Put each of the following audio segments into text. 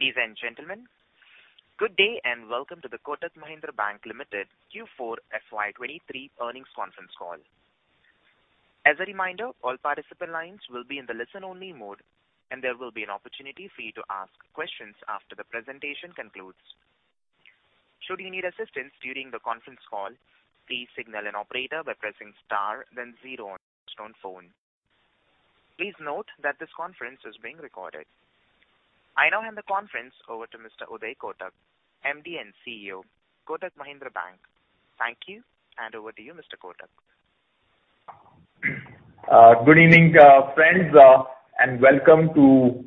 Ladies and gentlemen, good day. Welcome to the Kotak Mahindra Bank Limited Q4 FY 2023 earnings conference call. As a reminder, all participant lines will be in the listen-only mode, and there will be an opportunity for you to ask questions after the presentation concludes. Should you need assistance during the conference call, please signal an operator by pressing star then 0 on phone. Please note that this conference is being recorded. I now hand the conference over to Mr. Uday Kotak, MD and CEO, Kotak Mahindra Bank. Thank you. Over to you, Mr. Kotak. Good evening, friends, and welcome to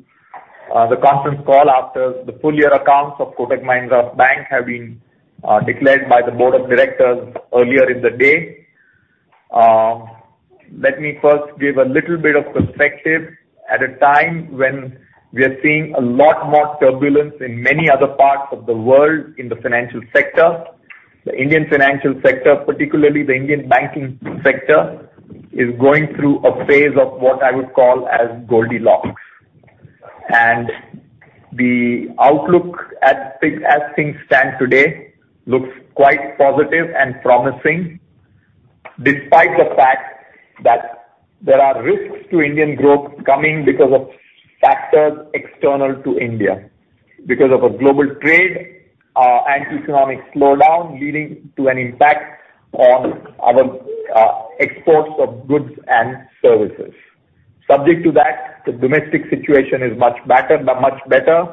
the conference call after the full year accounts of Kotak Mahindra Bank have been declared by the board of directors earlier in the day. Let me first give a little bit of perspective. At a time when we are seeing a lot more turbulence in many other parts of the world in the financial sector, the Indian financial sector, particularly the Indian banking sector, is going through a phase of what I would call as Goldilocks. The outlook as things stand today looks quite positive and promising, despite the fact that there are risks to Indian growth coming because of factors external to India. Because of a global trade and economic slowdown leading to an impact on our exports of goods and services. Subject to that, the domestic situation is much better, much better.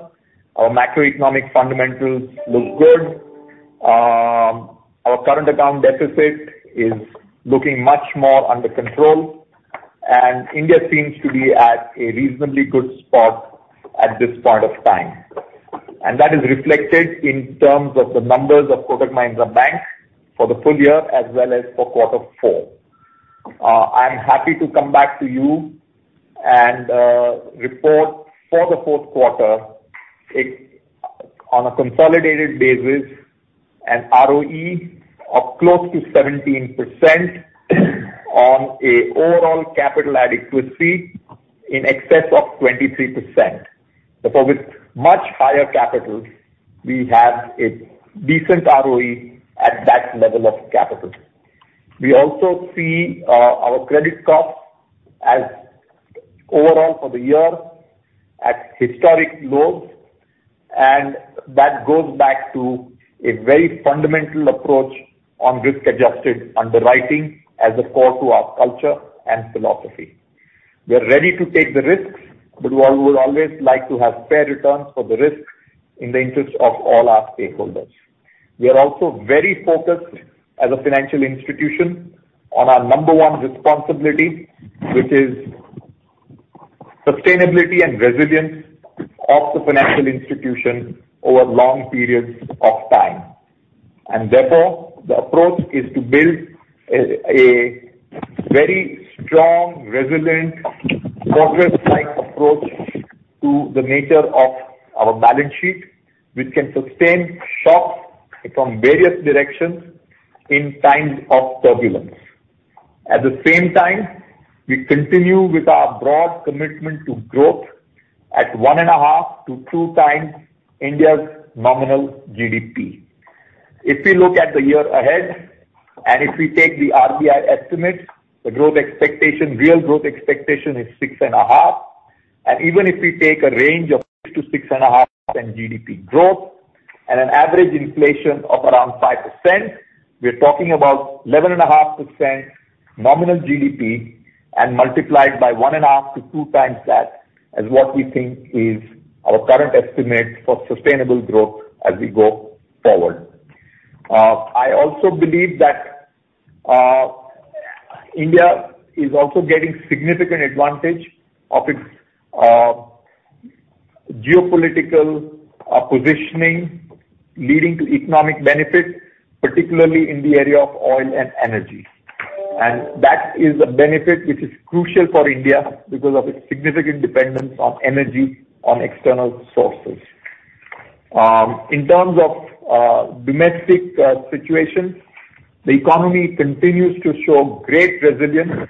Our macroeconomic fundamentals look good. Our current account deficit is looking much more under control, and India seems to be at a reasonably good spot at this point of time. That is reflected in terms of the numbers of Kotak Mahindra Bank for the full year as well as for quarter four. I'm happy to come back to you and report for the fourth quarter on a consolidated basis, an ROE of close to 17% on a overall capital adequacy in excess of 23%. With much higher capital, we have a decent ROE at that level of capital. We also see our credit costs as overall for the year at historic lows. That goes back to a very fundamental approach on risk-adjusted underwriting as a core to our culture and philosophy. We are ready to take the risks. We will always like to have fair returns for the risk in the interest of all our stakeholders. We are also very focused as a financial institution on our number one responsibility, which is sustainability and resilience of the financial institution over long periods of time. Therefore, the approach is to build a very strong, resilient, fortress-like approach to the nature of our balance sheet, which can sustain shocks from various directions in times of turbulence. At the same time, we continue with our broad commitment to growth at 1.5 to 2 times India's nominal GDP. If we look at the year ahead, if we take the RBI estimates, the growth expectation, real growth expectation is 6.5. Even if we take a range of 6%-6.5% in GDP growth and an average inflation of around 5%, we're talking about 11.5% nominal GDP and multiplied by 1.5-2 times that as what we think is our current estimate for sustainable growth as we go forward. I also believe that India is also getting significant advantage of its geopolitical positioning, leading to economic benefits, particularly in the area of oil and energy. That is a benefit which is crucial for India because of its significant dependence on energy on external sources. In terms of domestic situation, the economy continues to show great resilience,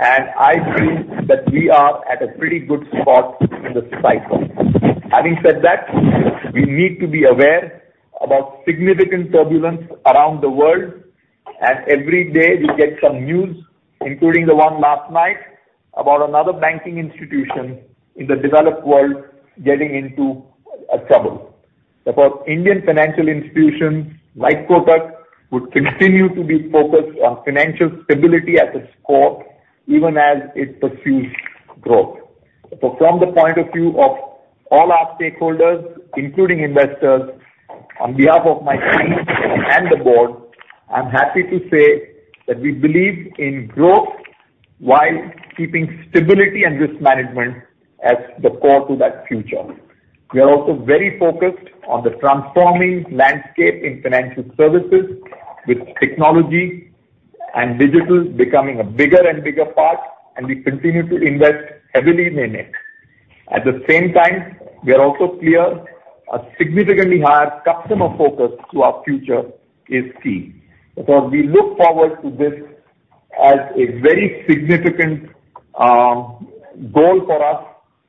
and I feel that we are at a pretty good spot in the cycle. Having said that, we need to be aware about significant turbulence around the world, and every day we get some news, including the one last night, about another banking institution in the developed world getting into trouble. Therefore, Indian financial institutions like Kotak would continue to be focused on financial stability at its core, even as it pursues growth. From the point of view of all our stakeholders, including investors, on behalf of my team and the board, I'm happy to say that we believe in growth while keeping stability and risk management as the core to that future. We are also very focused on the transforming landscape in financial services with technology and digital becoming a bigger and bigger part, and we continue to invest heavily in it. At the same time, we are also clear a significantly higher customer focus to our future is key. We look forward to this as a very significant goal for us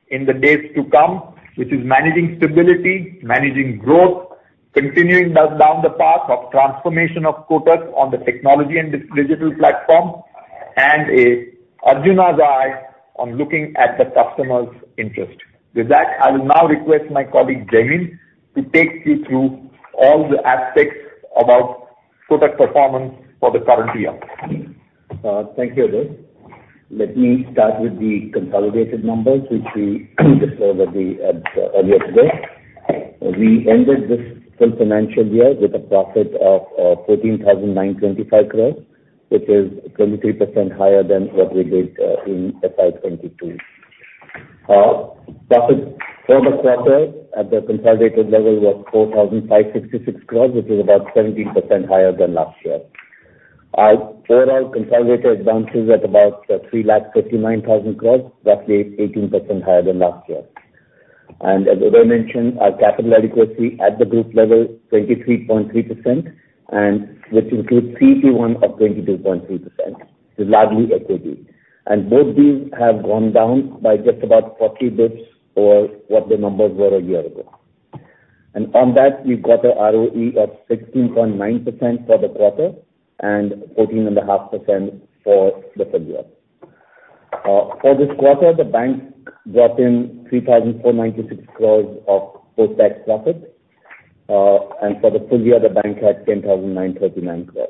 in the days to come, which is managing stability, managing growth, continuing down the path of transformation of Kotak on the technology and digital platform, and a Arjuna's eye on looking at the customer's interest. With that, I will now request my colleague, Jaimin, to take you through all the aspects about Kotak performance for the current year. Thank you, Uday. Let me start with the consolidated numbers, which we disclosed at the earlier today. We ended this full financial year with a profit of 13,925 crores, which is 23% higher than what we did in FY22. Profit for the quarter at the consolidated level was 4,566 crores, which is about 17% higher than last year. Our overall consolidated balances at about 3,39,000 crores, roughly 18% higher than last year. As Uday mentioned, our capital adequacy at the group level, 23.3%, and which includes CET1 of 22.3%, is largely equity. Both these have gone down by just about 40 basis points or what the numbers were a year ago. On that, we've got a ROE of 16.9% for the quarter and 14.5% for the full year. For this quarter, the bank brought in 3,496 crores of post-tax profits, and for the full year, the bank had 10,939 crores.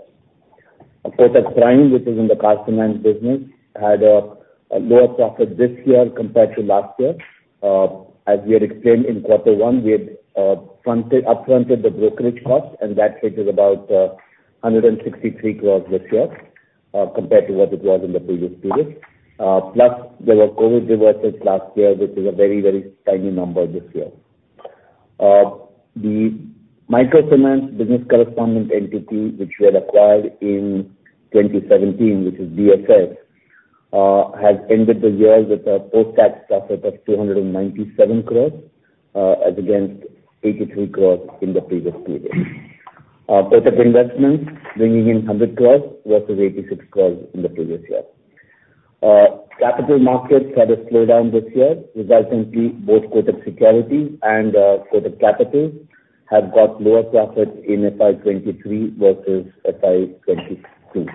Kotak Prime, which is in the customer business, had a lower profit this year compared to last year. As we had explained in Q1, we had up-fronted the brokerage cost and that figure is about 163 crores this year, compared to what it was in the previous period. Plus there were COVID reversals last year, which is a very tiny number this year. The microfinance business correspondent entity, which we had acquired in 2017, which is BSS, has ended the year with a post-tax profit of 297 crores, as against 83 crores in the previous period. Our Kotak Mahindra Investments bringing in 100 crores versus 86 crores in the previous year. Capital markets had a slowdown this year, resulting in both Kotak Securities and Kotak Mahindra Capital Company have got lower profits in FY 23 versus FY 22.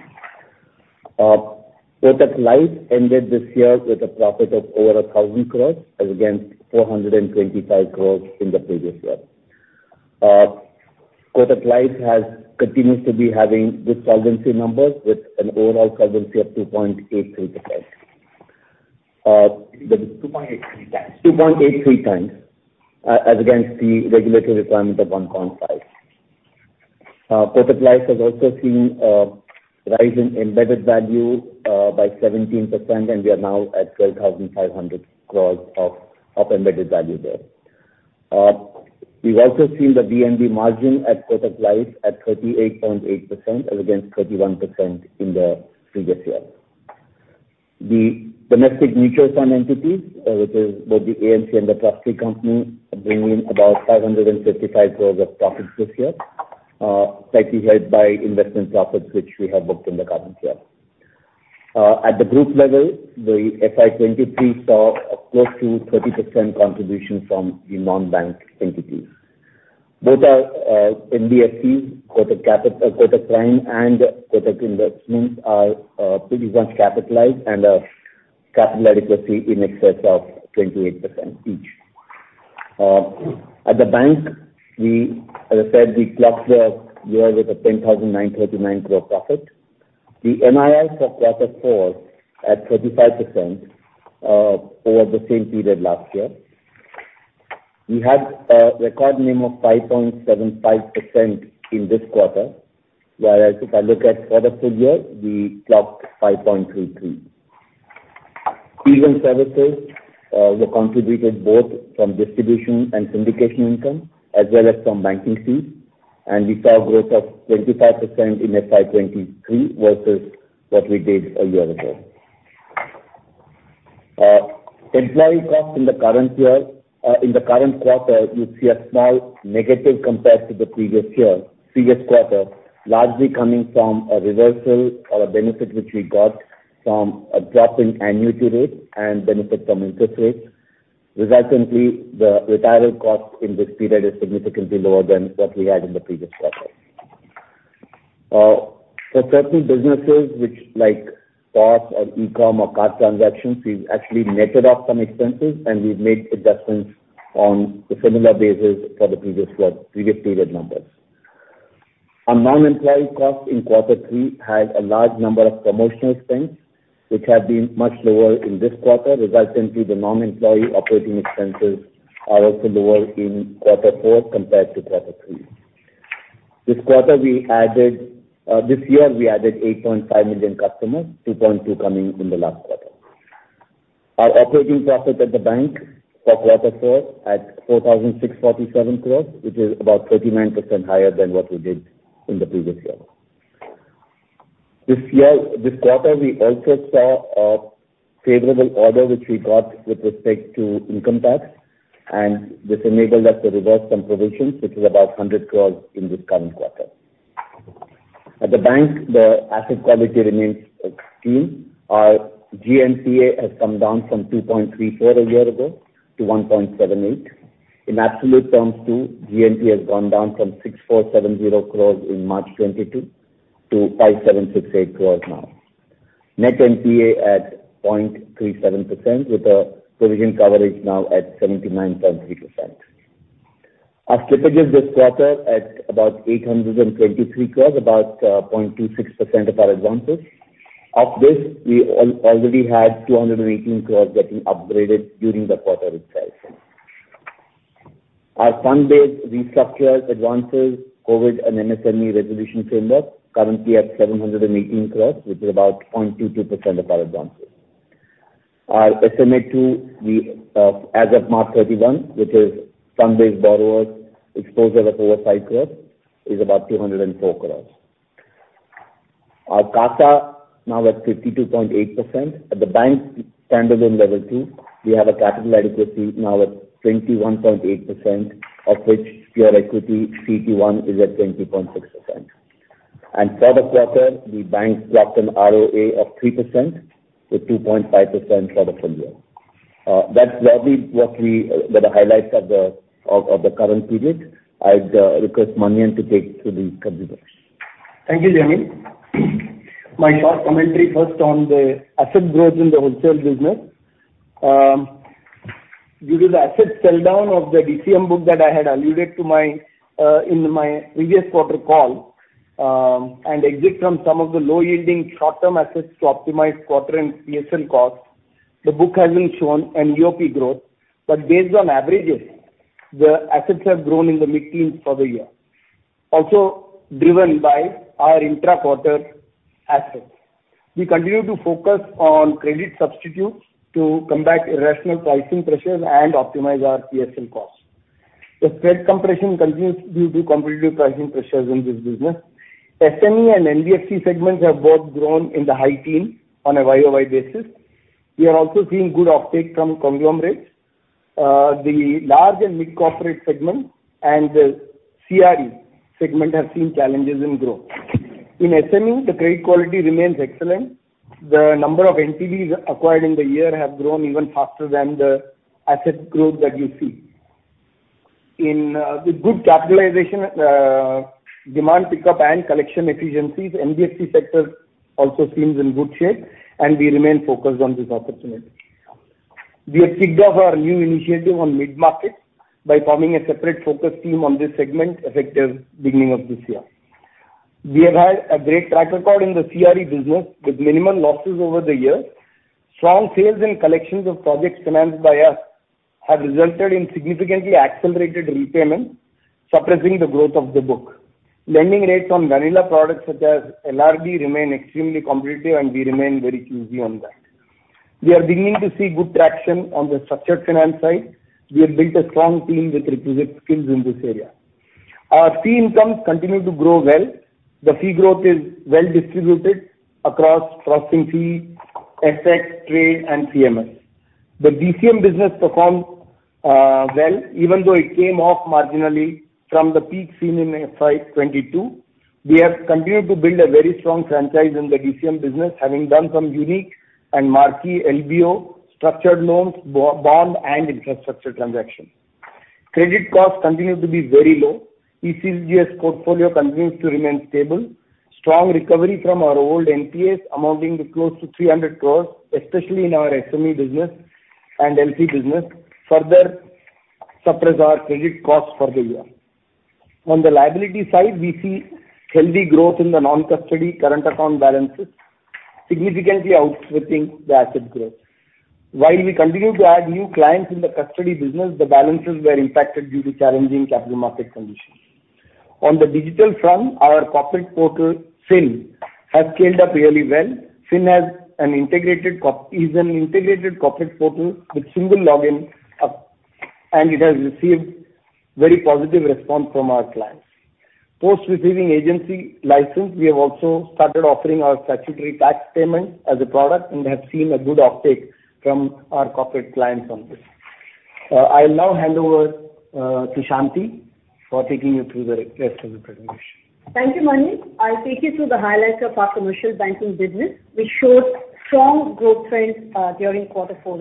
Kotak Life ended this year with a profit of over 1,000 crores as against 425 crores in the previous year. Kotak Life has continues to be having good solvency numbers, with an overall solvency of 2.83%. 2.83 times, as against the regulatory requirement of 1.5. Kotak Life has also seen a rise in embedded value by 17%, and we are now at 12,500 crores of embedded value there. We've also seen the VNB margin at Kotak Life at 38.8% as against 31% in the previous year. The domestic mutual fund entities, which is both the AMC and the trustee company, bringing in about 555 crores of profits this year, slightly helped by investment profits, which we have booked in the current year. At the group level, the FY 2023 saw a close to 30% contribution from the non-bank entities. Both our NBFCs, Kotak Prime and Kotak Investments are pretty well capitalized and have capital adequacy in excess of 28% each. At the bank, we, as I said, we clocked the year with a 10,939 crore profit. The NII for Q4 at 35% over the same period last year. We had a record NIM of 5.75% in this quarter, whereas if I look at for the full year, we clocked 5.33%. Fees and services were contributed both from distribution and syndication income, as well as from banking fees. We saw growth of 25% in FY23 versus what we did a year ago. Employee costs in the current year. In the current quarter, you see a small negative compared to the previous year, previous quarter, largely coming from a reversal or a benefit which we got from a drop in annuity rates and benefit from interest rates. Resultantly, the retirement cost in this period is significantly lower than what we had in the previous quarter. For certain businesses which like POS or eCom or card transactions, we've actually netted off some expenses, and we've made adjustments on a similar basis for the previous quarter, previous period numbers. Our non-employee costs in quarter three had a large number of promotional spends, which have been much lower in this quarter, resultantly the non-employee operating expenses are also lower in quarter four compared to quarter three. This year we added 8.5 million customers, 2.2 coming in the last quarter. Our operating profit at the bank for quarter four at 4,647 crore, which is about 39% higher than what we did in the previous year. This year, this quarter, we also saw a favorable order which we got with respect to income tax, and this enabled us to reverse some provisions, which is about 100 crore in this current quarter. At the bank, the asset quality remains extreme. Our GNPA has come down from 2.34 a year ago to 1.78. In absolute terms too, GNPA has gone down from 6,470 crore in March 2022 to 5,768 crore now. Net NPA at 0.37% with a provision coverage now at 79.3%. Our slippages this quarter at about 823 crore, about 0.26% of our advances. Of this, we already had 218 crores getting upgraded during the quarter itself. Our fund-based restructured advances, COVID and MSME resolution framework currently at 718 crores, which is about 0.22% of our advances. Our estimate to the as of March 31, which is fund-based borrowers exposure of over 5 crores, is about 204 crores. Our CASA now at 52.8%. At the bank standalone level too, we have a capital adequacy now at 21.8%, of which pure equity CET1 is at 20.6%. For the quarter, the bank clocked an ROA of 3%, with 2.5% for the full year. That's largely what we were the highlights of the current period. I'd request Manian to take you through the key results. Thank you, Jaimin. My short commentary first on the asset growth in the wholesale business. Due to the asset sell-down of the DCM book that I had alluded to my in my previous quarter call, and exit from some of the low-yielding short-term assets to optimize quarter-end PSL costs, the book has been shown NOP growth. Based on averages, the assets have grown in the mid-teens for the year, also driven by our intra-quarter assets. We continue to focus on credit substitutes to combat irrational pricing pressures and optimize our PSL costs. The spread compression continues due to competitive pricing pressures in this business. SME and NBFC segments have both grown in the high teens on a YOY basis. We are also seeing good uptake from conglomerates. The large and mid-corporate segment and the CRE segment have seen challenges in growth. In SME, the credit quality remains excellent. The number of NTBs acquired in the year have grown even faster than the asset growth that you see. In with good capitalization, demand pickup and collection efficiencies, NBFC sector also seems in good shape, and we remain focused on this opportunity. We have kicked off our new initiative on mid-market by forming a separate focus team on this segment effective beginning of this year. We have had a great track record in the CRE business with minimum losses over the years. Strong sales and collections of projects financed by us have resulted in significantly accelerated repayments, suppressing the growth of the book. Lending rates on vanilla products such as LRD remain extremely competitive, and we remain very choosy on that. We are beginning to see good traction on the structured finance side. We have built a strong team with requisite skills in this area. Our fee incomes continue to grow well. The fee growth is well distributed across processing fees, FX, trade and CMS. The DCM business performed well, even though it came off marginally from the peak seen in FY 2022. We have continued to build a very strong franchise in the DCM business, having done some unique and marquee LBO, structured loans, bond and infrastructure transactions. Credit costs continue to be very low. ECLGS portfolio continues to remain stable. Strong recovery from our old NPAs amounting to close to 300 crores, especially in our SME business and LC business, further suppress our credit costs for the year. On the liability side, we see healthy growth in the non-custody current account balances significantly outstripping the asset growth. While we continue to add new clients in the custody business, the balances were impacted due to challenging capital market conditions. On the digital front, our corporate portal, Kotak fyn, has scaled up really well. Kotak fyn is an integrated corporate portal with single login, and it has received very positive response from our clients. Post receiving agency license, we have also started offering our statutory tax payment as a product and have seen a good uptake from our corporate clients on this. I'll now hand over to Shanti for taking you through the rest of the presentation. Thank you, Manian. I'll take you through the highlights of our commercial banking business, which showed strong growth trends during quarter four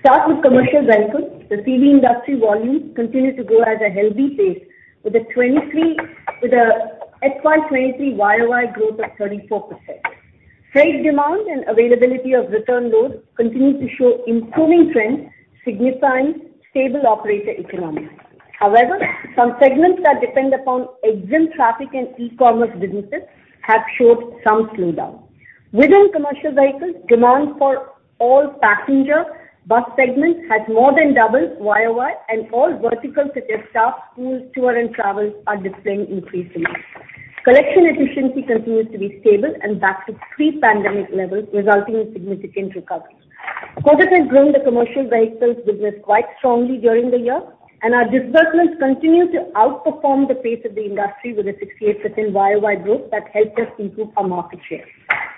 as well. Start with commercial vehicles. The CV industry volumes continue to grow at a healthy pace with a FY 2023 YOY growth of 34%. Freight demand and availability of return loads continue to show improving trends signifying stable operator economics. However, some segments that depend upon exempt traffic and e-commerce businesses have showed some slowdown. Within commercial vehicles, demand for all passenger bus segments has more than doubled YOY, and all verticals such as staff, schools, tour and travel are displaying increase demand. Collection efficiency continues to be stable and back to pre-pandemic levels, resulting in significant recovery. has grown the commercial vehicles business quite strongly during the year. Our disbursements continue to outperform the pace of the industry with a 68% YOY growth that helped us improve our market share.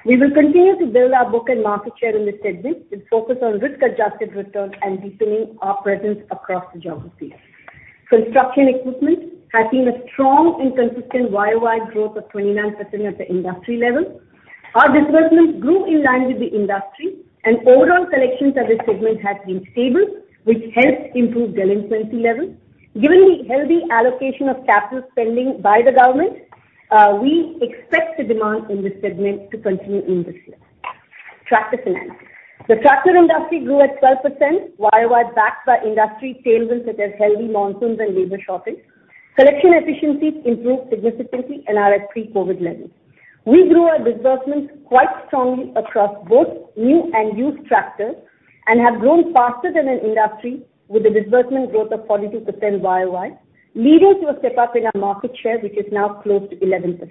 We will continue to build our book and market share in this segment and focus on risk-adjusted returns and deepening our presence across geographies. Construction equipment has seen a strong and consistent YOY growth of 29% at the industry level. Our disbursements grew in line with the industry. Overall collections of this segment has been stable, which helped improve delinquency levels. Given the healthy allocation of capital spending by the government, we expect the demand in this segment to continue in this year. Tractor finance. The tractor industry grew at 12% YOY, backed by industry tailwinds such as healthy monsoons and labor shortages. Collection efficiencies improved significantly and are at pre-COVID levels. We grew our disbursements quite strongly across both new and used tractors and have grown faster than an industry with a disbursement growth of 42% YOY, leading to a step-up in our market share, which is now close to 11%.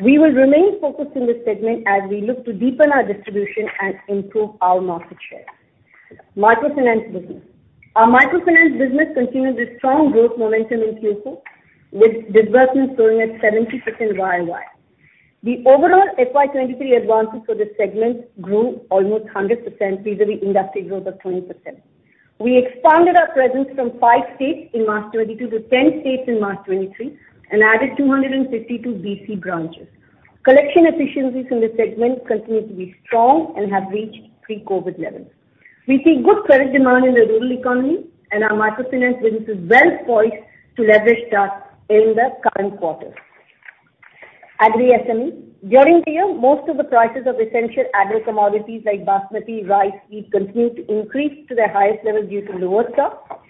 We will remain focused in this segment as we look to deepen our distribution and improve our market share. Microfinance business. Our microfinance business continued its strong growth momentum in Q4, with disbursements growing at 70% YOY. The overall FY23 advances for this segment grew almost 100% vis-à-vis industry growth of 20%. We expanded our presence from five states in March 22 to 10 states in March 23 and added 252 BC branches. Collection efficiencies in this segment continued to be strong and have reached pre-COVID levels. We see good credit demand in the rural economy, and our microfinance business is well poised to leverage that in the current quarter. Agri SME. During the year, most of the prices of essential agri commodities like basmati rice feed continued to increase to their highest levels due to lower stock.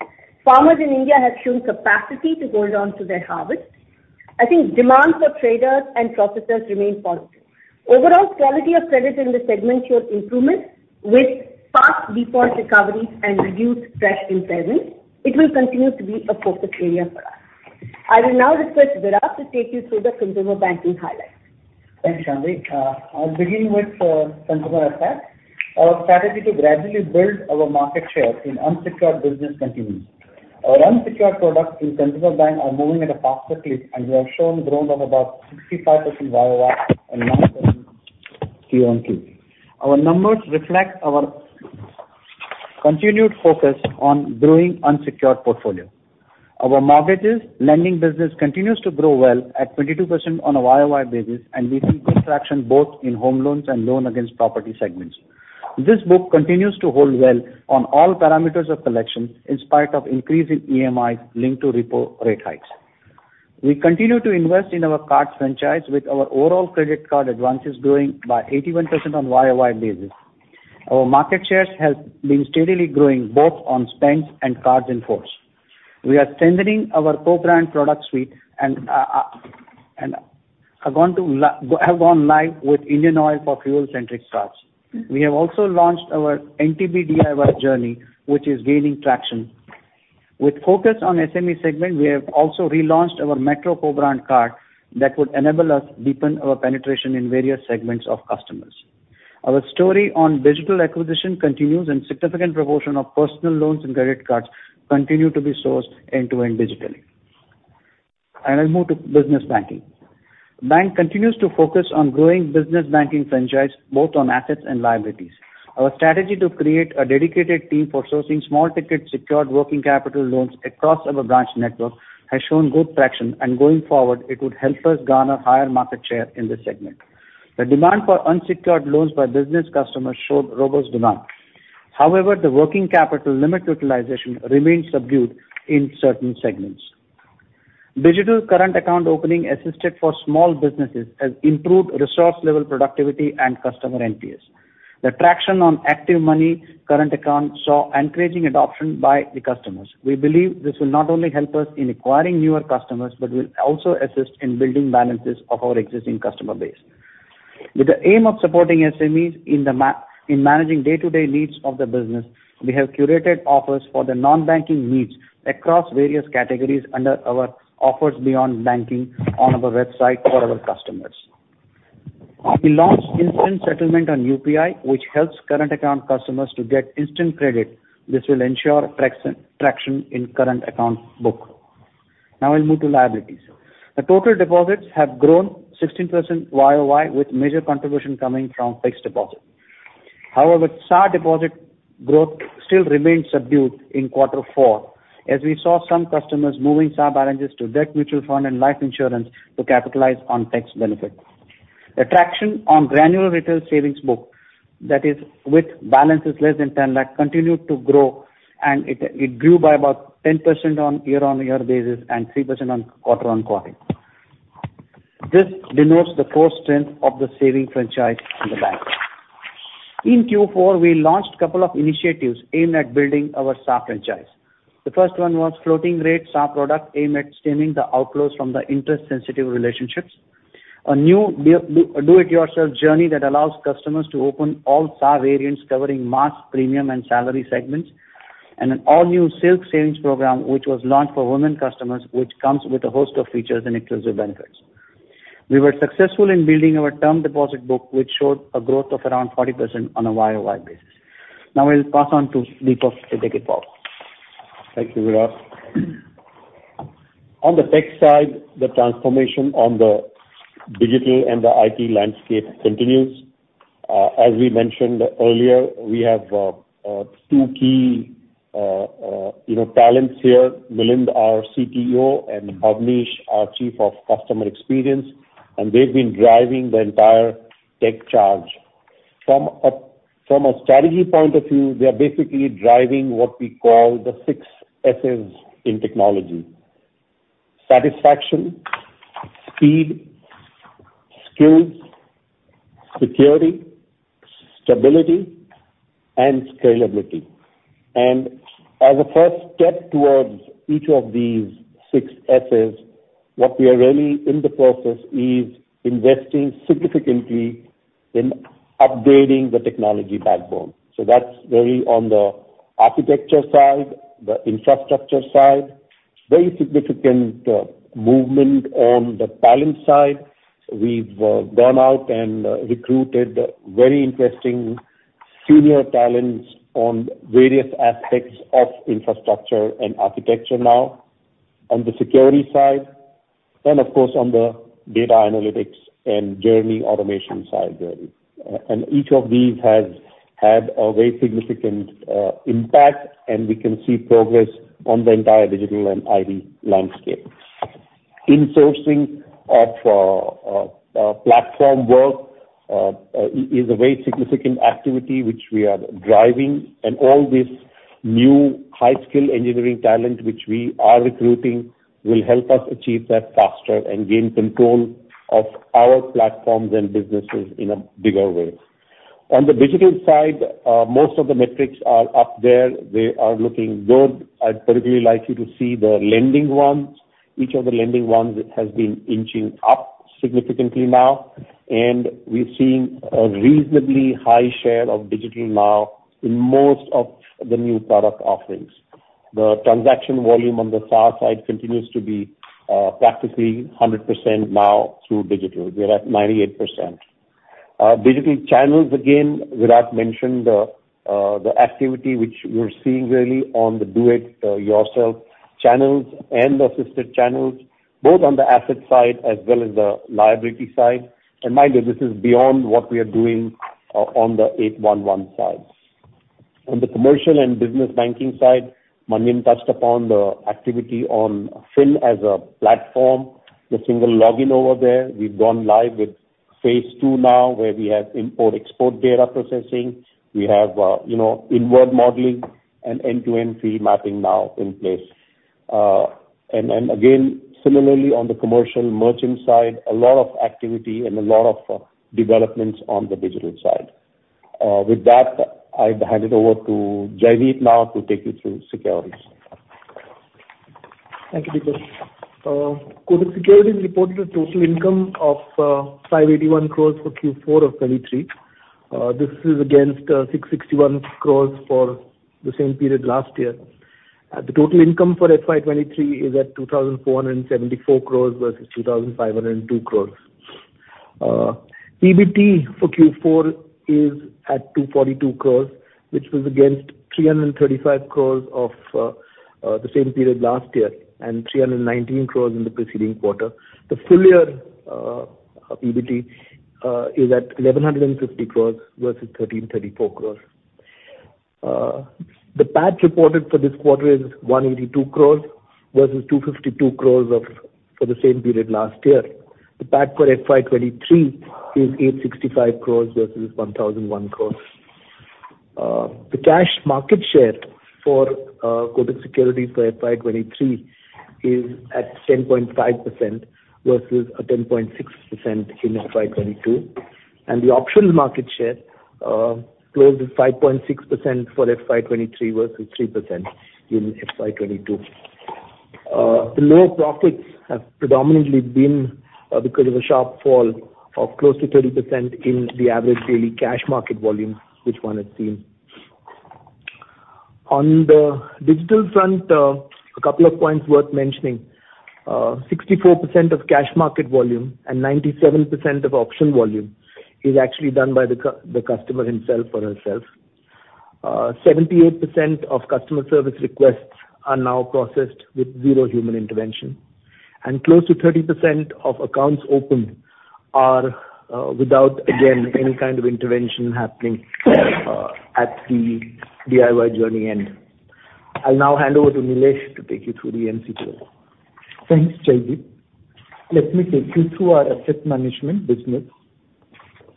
Farmers in India have shown capacity to hold on to their harvest. I think demand for traders and processors remain positive. Overall quality of credit in this segment showed improvement with fast default recoveries and reduced fresh impairments. It will continue to be a focus area for us. I will now request Virat to take you through the consumer banking highlights. Thanks, Shanti. I'll begin with consumer assets. Our strategy to gradually build our market share in unsecured business continues. Our unsecured products in consumer banking are moving at a faster clip, and we have shown growth of about 65% YoY in 9 months Q12. Our numbers reflect our continued focus on growing unsecured portfolio. Our mortgages lending business continues to grow well at 22% on a YoY basis, and we see good traction both in home loans and loan against property segments. This book continues to hold well on all parameters of collection, in spite of increasing EMIs linked to repo rate hikes. We continue to invest in our card franchise with our overall credit card advances growing by 81% on YoY basis. Our market shares has been steadily growing both on spends and cards in force. We are strengthening our co-brand product suite and have gone live with Indian Oil for fuel-centric cards. We have also launched our NTB DIY journey, which is gaining traction. With focus on SME segment, we have also relaunched our METRO co-brand card that would enable us deepen our penetration in various segments of customers. Our story on digital acquisition continues and significant proportion of personal loans and credit cards continue to be sourced end-to-end digitally. I'll move to business banking. Bank continues to focus on growing business banking franchise both on assets and liabilities. Our strategy to create a dedicated team for sourcing small ticket secured working capital loans across our branch network has shown good traction and going forward it would help us garner higher market share in this segment. The demand for unsecured loans by business customers showed robust demand. However, the working capital limit utilization remains subdued in certain segments. Digital current account opening assisted for small businesses has improved resource level productivity and customer NPS. The traction on ActivMoney current account saw encouraging adoption by the customers. We believe this will not only help us in acquiring newer customers, but will also assist in building balances of our existing customer base. With the aim of supporting SMEs in managing day-to-day needs of the business, we have curated offers for the non-banking needs across various categories under our offers beyond banking on our website for our customers. We launched instant settlement on UPI, which helps current account customers to get instant credit. This will ensure traction in current account book. I'll move to liabilities. The total deposits have grown 16% YOY with major contribution coming from fixed deposit. However, SAR deposit growth still remains subdued in quarter four, as we saw some customers moving SAR balances to debt mutual fund and life insurance to capitalize on tax benefit. The traction on granular retail savings book, that is with balances less than 10 lakh, continued to grow, and it grew by about 10% on year-on-year basis and 3% on quarter-on-quarter. This denotes the core strength of the saving franchise in the bank. In Q4, we launched a couple of initiatives aimed at building our SAR franchise. The first one was floating rate SAR product aimed at stemming the outflows from the interest-sensitive relationships. A new do it yourself journey that allows customers to open all SAR variants covering mass, premium and salary segments and an all new Silk Savings Programme, which was launched for women customers, which comes with a host of features and exclusive benefits. We were successful in building our term deposit book, which showed a growth of around 40% on a YOY basis. I'll pass on to Dipak to take it forward. Thank you, Virat. On the tech side, the transformation on the digital and the IT landscape continues. As we mentioned earlier, we have, you know, two key talents here. Milind, our CTO, and Bhavnish, our Chief of Customer Experience, and they've been driving the entire tech charge. From a strategy point of view, they are basically driving what we call the six S's in technology: satisfaction, speed, skills, security, stability and scalability. As a first step towards each of these six S's, what we are really in the process is investing significantly in upgrading the technology backbone. That's really on the architecture side, the infrastructure side. Very significant movement on the talent side. We've gone out and recruited very interesting senior talents on various aspects of infrastructure and architecture now on the security side and of course on the data analytics and journey automation side really. Each of these has had a very significant impact, and we can see progress on the entire digital and IT landscape. Insourcing of platform work is a very significant activity which we are driving. All this new high-skill engineering talent which we are recruiting will help us achieve that faster and gain control of our platforms and businesses in a bigger way. On the digital side, most of the metrics are up there. They are looking good. I'd particularly like you to see the lending ones. Each of the lending ones has been inching up significantly now, and we're seeing a reasonably high share of digital now in most of the new product offerings. The transaction volume on the FAR side continues to be practically 100% now through digital. We're at 98%. Digital channels, again, Virat mentioned the activity which we're seeing really on the do-it-yourself channels and assisted channels, both on the asset side as well as the liability side. Mind you, this is beyond what we are doing on the 811 side. On the commercial and business banking side, Manian touched upon the activity on fyn as a platform, the single login over there. We've gone live with phase 2 now, where we have import/export data processing. We have, you know, inward modeling and end-to-end fee mapping now in place. Again, similarly on the commercial merchant side, a lot of activity and a lot of developments on the digital side. With that, I hand it over to Jaipreep now to take you through securities. Thank you, Deepak. Kotak Securities reported a total income of 581 crores for Q4 of 2023. This is against 661 crores for the same period last year. The total income for FY 2023 is at 2,474 crores versus 2,502 crores. PBT for Q4 is at 242 crores, which was against 335 crores for the same period last year and 319 crores in the preceding quarter. The full year PBT is at 1,150 crores versus 1,334 crores. The PAT reported for this quarter is 182 crores versus 252 crores of, for the same period last year. The PAT for FY 2023 is 865 crores versus 1,001 crores. The cash market share for Kotak Securities for FY 23 is at 10.5% versus a 10.6% in FY 22. The options market share closed at 5.6% for FY 23 versus 3% in FY 22. The lower profits have predominantly been because of a sharp fall of close to 30% in the average daily cash market volume which one had seen. On the digital front, a couple of points worth mentioning. 64% of cash market volume and 97% of option volume is actually done by the customer himself or herself. 78% of customer service requests are now processed with zero human intervention, and close to 30% of accounts opened are without, again, any kind of intervention happening at the DIY journey end. I'll now hand over to Nilesh to take you through the MC book. Thanks, Jaideep. Let me take you through our asset management business.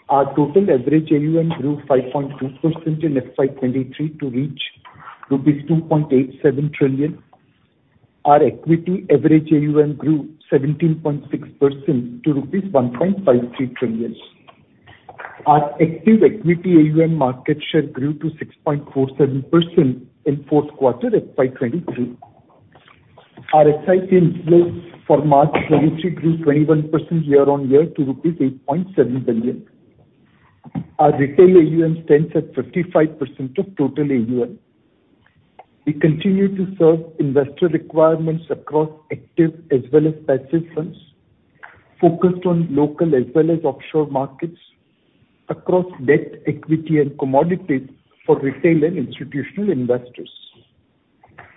Our total average AUM grew 5.2% in FY23 to reach rupees 2.87 trillion. Our equity average AUM grew 17.6% to rupees 1.53 trillion. Our active equity AUM market share grew to 6.47% in fourth quarter FY23. Our AICI yields for March 2023 grew 21% year-on-year to rupees 8.7 billion. Our retail AUM stands at 55% of total AUM. We continue to serve investor requirements across active as well as passive funds, focused on local as well as offshore markets across debt, equity and commodities for retail and institutional investors.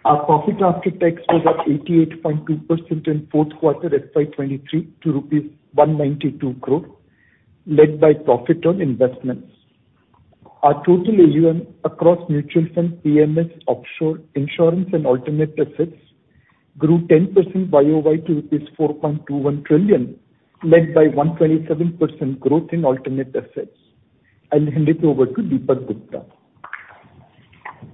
Our profit after tax was up 88.2% in fourth quarter FY23 to rupees 192 crore, led by profit on investments. Our total AUM across mutual funds, PMS, offshore, insurance and alternate assets grew 10% YOY to 4.21 trillion, led by 127% growth in alternate assets. I'll hand it over to Dipak Gupta.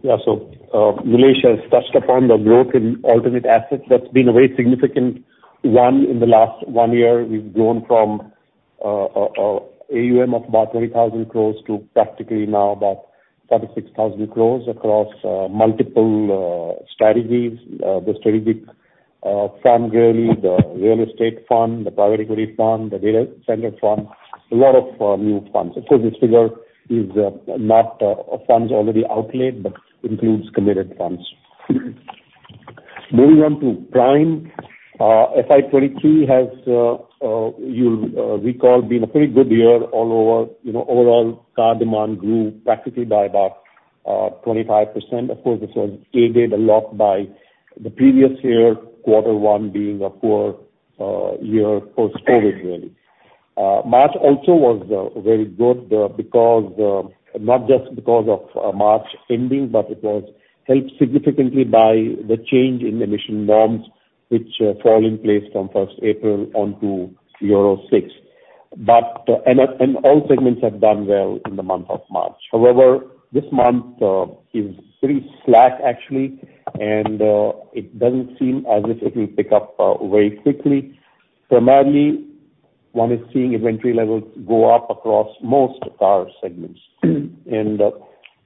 Nilesh has touched upon the growth in alternate assets. That's been a very significant one in the last one year. We've grown from AUM of about 20,000 crores to practically now about 36,000 crores across multiple strategies. The strategic firm really, the real estate fund, the private equity fund, the data center fund, a lot of new funds. Of course, this figure is not funds already outlaid, but includes committed funds. Moving on to Prime, FY 2023 has you'll recall being a pretty good year all over. You know, overall car demand grew practically by about 25%. Of course, this was aided a lot by the previous year, Q1 being a poor year post-COVID really. March also was very good because not just because of March ending, but it was helped significantly by the change in emission norms which fall in place from first April on to BS VI. All segments have done well in the month of March. However, this month is pretty slack actually and it doesn't seem as if it will pick up very quickly. Primarily, one is seeing inventory levels go up across most car segments.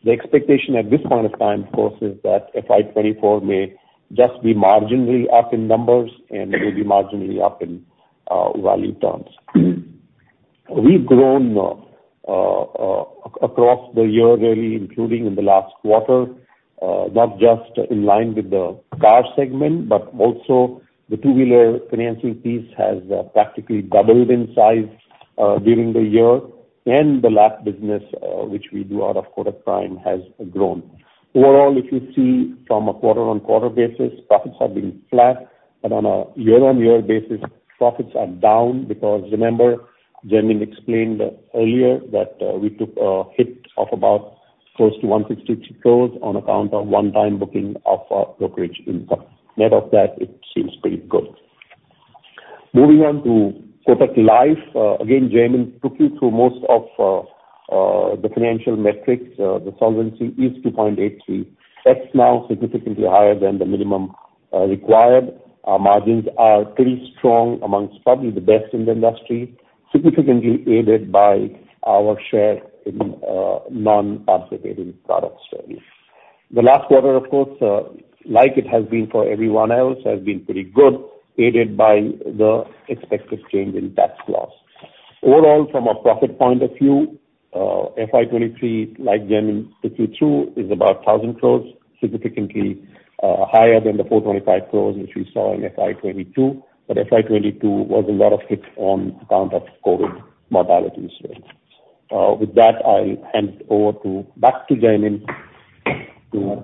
The expectation at this point of time, of course, is that FY 2024 may just be marginally up in numbers and maybe marginally up in value terms. We've grown across the year really, including in the last quarter, not just in line with the car segment, but also the two-wheeler financing piece has practically doubled in size during the year. The lap business which we do out of Kotak Prime, has grown. Overall, if you see from a quarter-on-quarter basis, profits have been flat, but on a year-on-year basis, profits are down because remember, Jamin explained earlier that we took a hit of about close to 162 crores on account of one-time booking of brokerage income. Net of that, it seems pretty good. Moving on to Kotak Life. Again, Jamin took you through most of the financial metrics. The solvency is 2.83. That's now significantly higher than the minimum required. Our margins are pretty strong amongst probably the best in the industry, significantly aided by our share in non-participating products really. The last quarter, of course, like it has been for everyone else, has been pretty good, aided by the expected change in tax laws. Overall, from a profit point of view, FY23, like Jaimin took you through, is about 1,000 crores, significantly higher than the 425 crores which we saw in FY22. FY22 was a lot of hit on account of COVID modalities really. With that, I'll hand over to, back to Jaideep.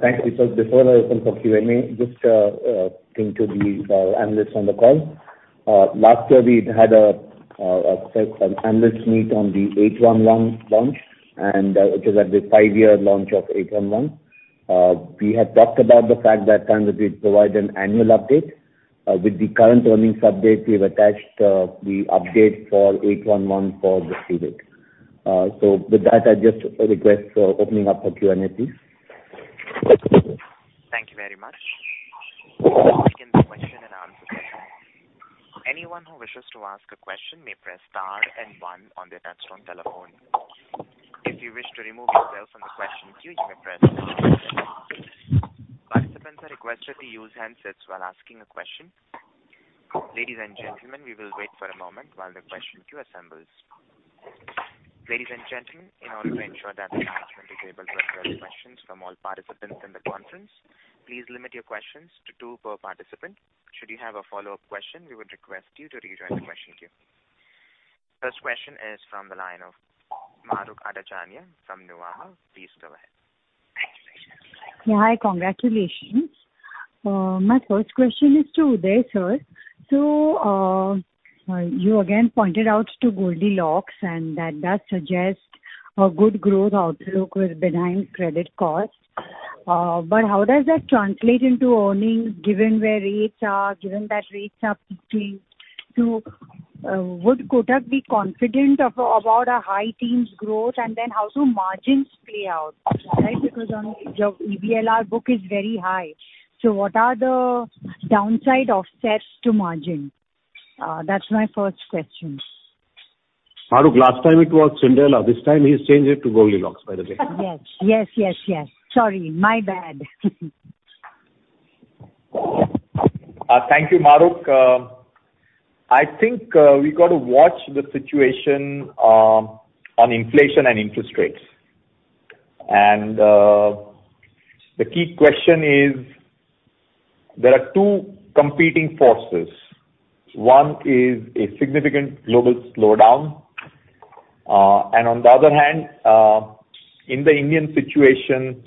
Thanks. Before I open for Q&A, just thing to the analysts on the call. Last year we had an analysts meet on the 811 launch and it was at the 5-year launch of 811. We had talked about the fact that time that we'd provide an annual update. With the current earnings update, we've attached the update for 811 for this period. With that, I just request opening up for Q&A, please. Thank you very much. We'll now begin the question and answer session. Anyone who wishes to ask a question may press star and one on their touchtone telephone. If you wish to remove yourself from the question queue, you may press star two. Participants are requested to use handsets while asking a question. Ladies and gentlemen, we will wait for a moment while the question queue assembles. Ladies and gentlemen, in order to ensure that the management is able to address questions from all participants in the conference, please limit your questions to two per participant. Should you have a follow-up question, we would request you to rejoin the question queue. First question is from the line of Mahrukh Adajania from Nuvama. Please go ahead. Yeah. Hi, congratulations. My first question is to Uday, sir. You again pointed out to Goldilocks, and that does suggest a good growth outlook with benign credit costs. How does that translate into earnings given where rates are, given that rates are peaking to, would Kotak be confident of, about a high teens growth? How do margins play out, right? Because your EBLR book is very high, so what are the downside offsets to margin? That's my first question. Madhuk, last time it was Cinderella. This time he's changed it to Goldilocks, by the way. Yes. Yes, yes. Sorry. My bad. Thank you, Maruk. I think we got to watch the situation on inflation and interest rates. The key question is there are two competing forces. One is a significant global slowdown. On the other hand, in the Indian situation,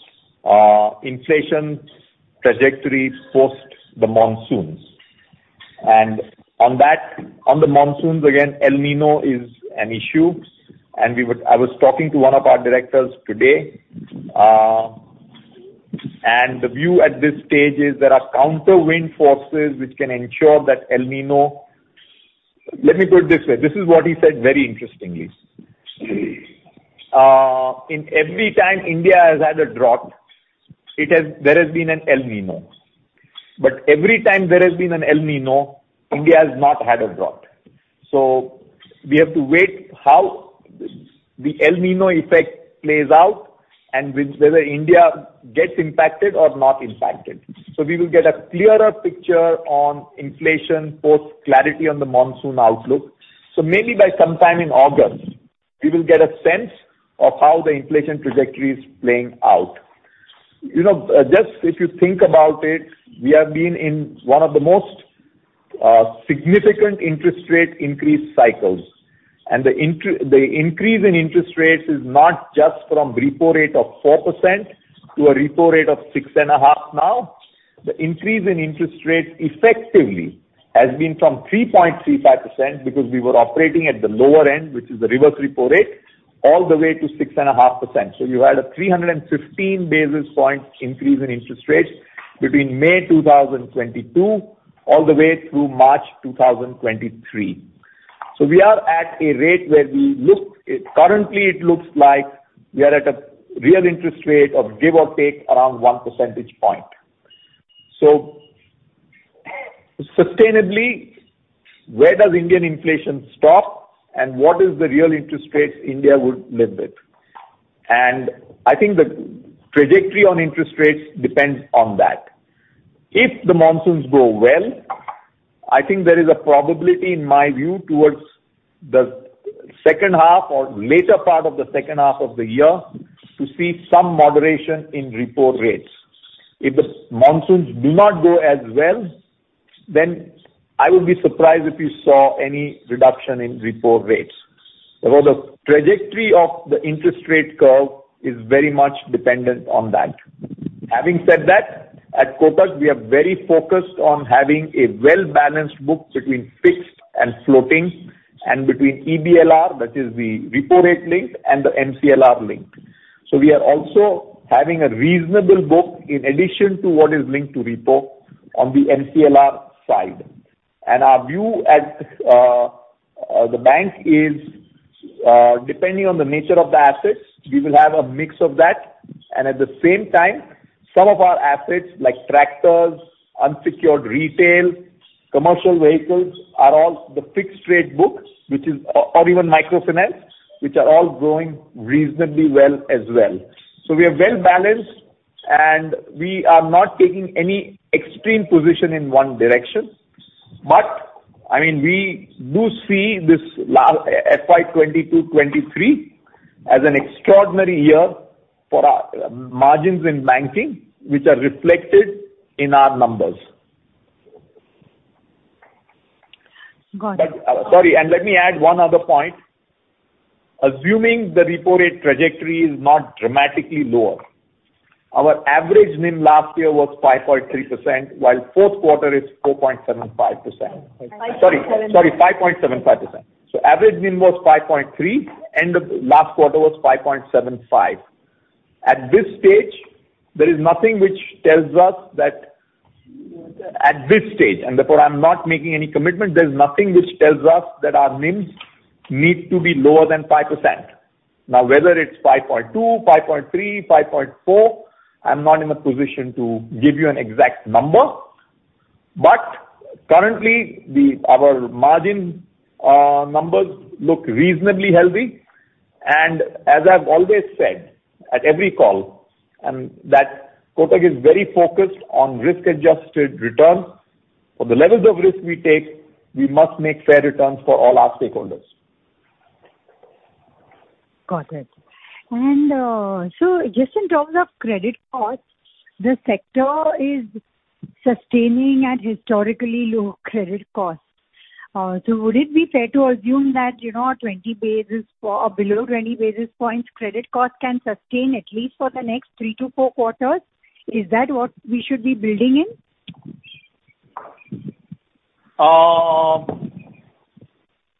inflation trajectory post the monsoons. On that, on the monsoons, again, El Niño is an issue. I was talking to one of our directors today, and the view at this stage is there are counter wind forces which can ensure that Let me put it this way. This is what he said very interestingly. In every time India has had a drought, it has, there has been an El Niño. Every time there has been an El Niño, India has not had a drought. We have to wait how the El Niño effect plays out and whether India gets impacted or not impacted. We will get a clearer picture on inflation post clarity on the monsoon outlook. Maybe by sometime in August we will get a sense of how the inflation trajectory is playing out. You know, just if you think about it, we have been in one of the most significant interest rate increase cycles. The increase in interest rates is not just from repo rate of 4% to a repo rate of 6.5 now. The increase in interest rates effectively has been from 3.35% because we were operating at the lower end, which is the reverse repo rate all the way to 6.5%. You had a 315 basis points increase in interest rates between May 2022 all the way through March 2023. We are at a rate where currently it looks like we are at a real interest rate of give or take around 1 percentage point. Sustainably, where does Indian inflation stop and what is the real interest rates India would live with? I think the trajectory on interest rates depends on that. If the monsoons go well, I think there is a probability, in my view, towards the second half or later part of the second half of the year to see some moderation in repo rates. If the monsoons do not go as well, then I would be surprised if you saw any reduction in repo rates. The trajectory of the interest rate curve is very much dependent on that. Having said that, at Kotak we are very focused on having a well-balanced book between fixed and floating and between EBLR, that is the repo rate link and the MCLR link. We are also having a reasonable book in addition to what is linked to repo on the MCLR side. Our view at the bank is depending on the nature of the assets, we will have a mix of that and at the same time some of our assets like tractors, unsecured retail, commercial vehicles are all the fixed rate books which is or even microfinance which are all growing reasonably well as well. We are well balanced and we are not taking any extreme position in one direction. I mean we do see this last FY 2022, 2023 as an extraordinary year for our margins in banking which are reflected in our numbers. Got it. Sorry, let me add one other point. Assuming the repo rate trajectory is not dramatically lower, our average NIM last year was 5.3% while fourth quarter is 4.75%. 5.75. Sorry, 5.75%. Average NIM was 5.3%, end of last quarter was 5.75%. At this stage there is nothing which tells us that at this stage and therefore I'm not making any commitment. There's nothing which tells us that our NIMs need to be lower than 5%. Now whether it's 5.2%, 5.3%, 5.4%, I'm not in a position to give you an exact number. Currently the, our margin numbers look reasonably healthy. As I've always said at every call and that Kotak is very focused on risk adjusted return. For the levels of risk we take, we must make fair returns for all our stakeholders. Got it. Just in terms of credit costs, the sector is sustaining at historically low credit costs. Would it be fair to assume that, you know, 20 basis or below 20 basis points credit cost can sustain at least for the next 3 to 4 quarters? Is that what we should be building in?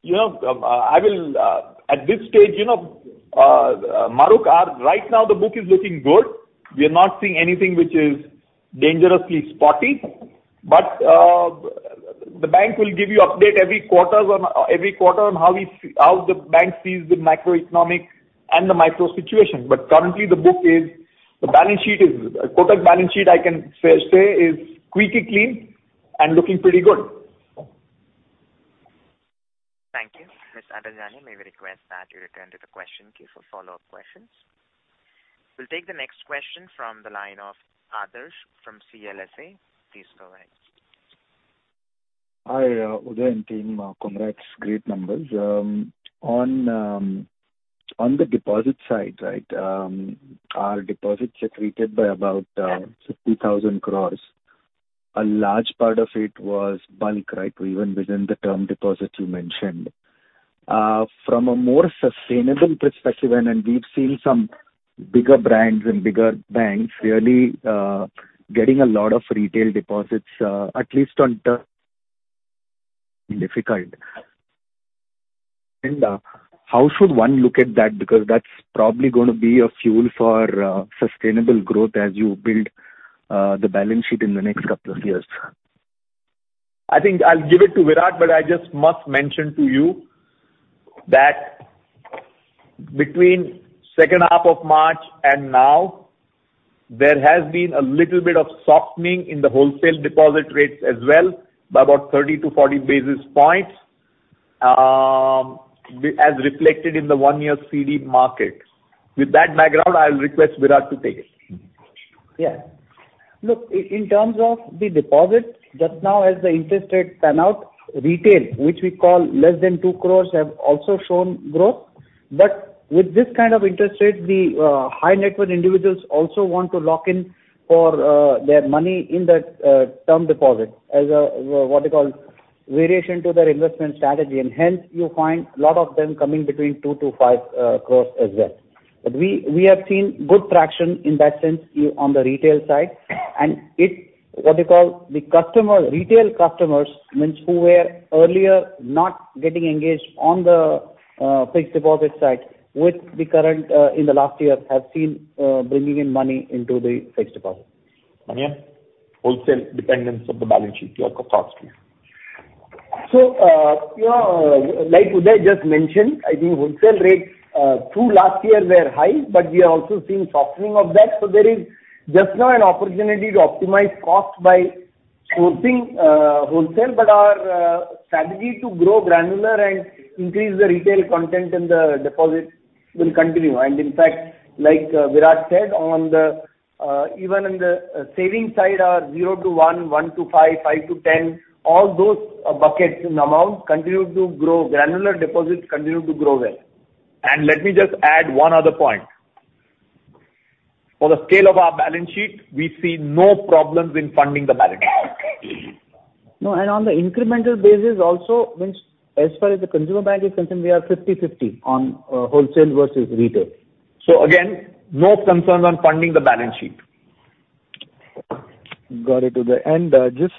you know, I will, at this stage, you know, Mahrukh, right now the book is looking good. We are not seeing anything which is dangerously spotty. The bank will give you update every quarter on how the bank sees the macroeconomic and the micro situation. Currently the balance sheet is, Kotak balance sheet I can say is squeaky clean and looking pretty good. I'll actually return to the question queue for follow-up questions. We'll take the next question from the line of Adarsh from CLSA. Please go ahead. Hi, Uday and team. Congrats. Great numbers. On the deposit side, right, our deposits are treated by about 60,000 crore. A large part of it was bulk, right? Even within the term deposits you mentioned. From a more sustainable perspective, and we've seen some bigger brands and bigger banks really getting a lot of retail deposits, at least on the difficult. How should one look at that because that's probably going to be a fuel for sustainable growth as you build the balance sheet in the next couple of years? I think I'll give it to Virat, but I just must mention to you that between second half of March and now, there has been a little bit of softening in the wholesale deposit rates as well by about 30 to 40 basis points, as reflected in the one-year CD market. With that background, I'll request Virat to take it. Yeah. Look, in terms of the deposits, just now as the interest rates pan out, retail, which we call less than 2 crores, have also shown growth. With this kind of interest rates, the high net worth individuals also want to lock in for their money in that term deposit as a, what do you call, variation to their investment strategy, and hence you find a lot of them coming between 2 to 5 crores as well. We have seen good traction in that sense on the retail side. It's, what do you call, the customer, retail customers means who were earlier not getting engaged on the fixed deposit side with the current in the last year have seen bringing in money into the fixed deposit. Mani, wholesale dependence of the balance sheet here. You know, like Uday just mentioned, I think wholesale rates, through last year were high, but we have also seen softening of that. There is just now an opportunity to optimize cost by scoping, wholesale. Our strategy to grow granular and increase the retail content in the deposits will continue. In fact, like, Virat said, on the, even in the, savings side, our zero to one to five to ten, all those buckets and amounts continue to grow. Granular deposits continue to grow well. Let me just add one other point. For the scale of our balance sheet, we see no problems in funding the balance sheet. No, and on the incremental basis also, means as far as the consumer bank is concerned, we are 50/50 on, wholesale versus retail. Again, no concerns on funding the balance sheet. Got it, Uday. Just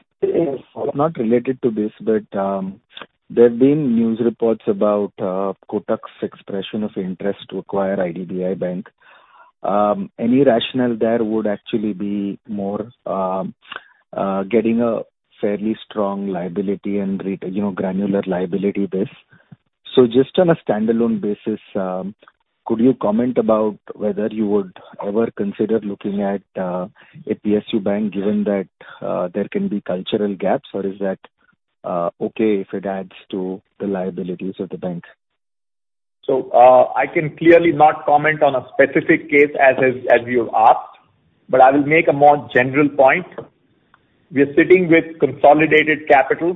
not related to this, but there have been news reports about Kotak's expression of interest to acquire IDBI Bank. Any rationale there would actually be more getting a fairly strong liability and retail, you know, granular liability base. Just on a standalone basis, could you comment about whether you would ever consider looking at a PSU bank, given that there can be cultural gaps, or is that okay if it adds to the liabilities of the bank? I can clearly not comment on a specific case as is, as you've asked, but I will make a more general point. We are sitting with consolidated capital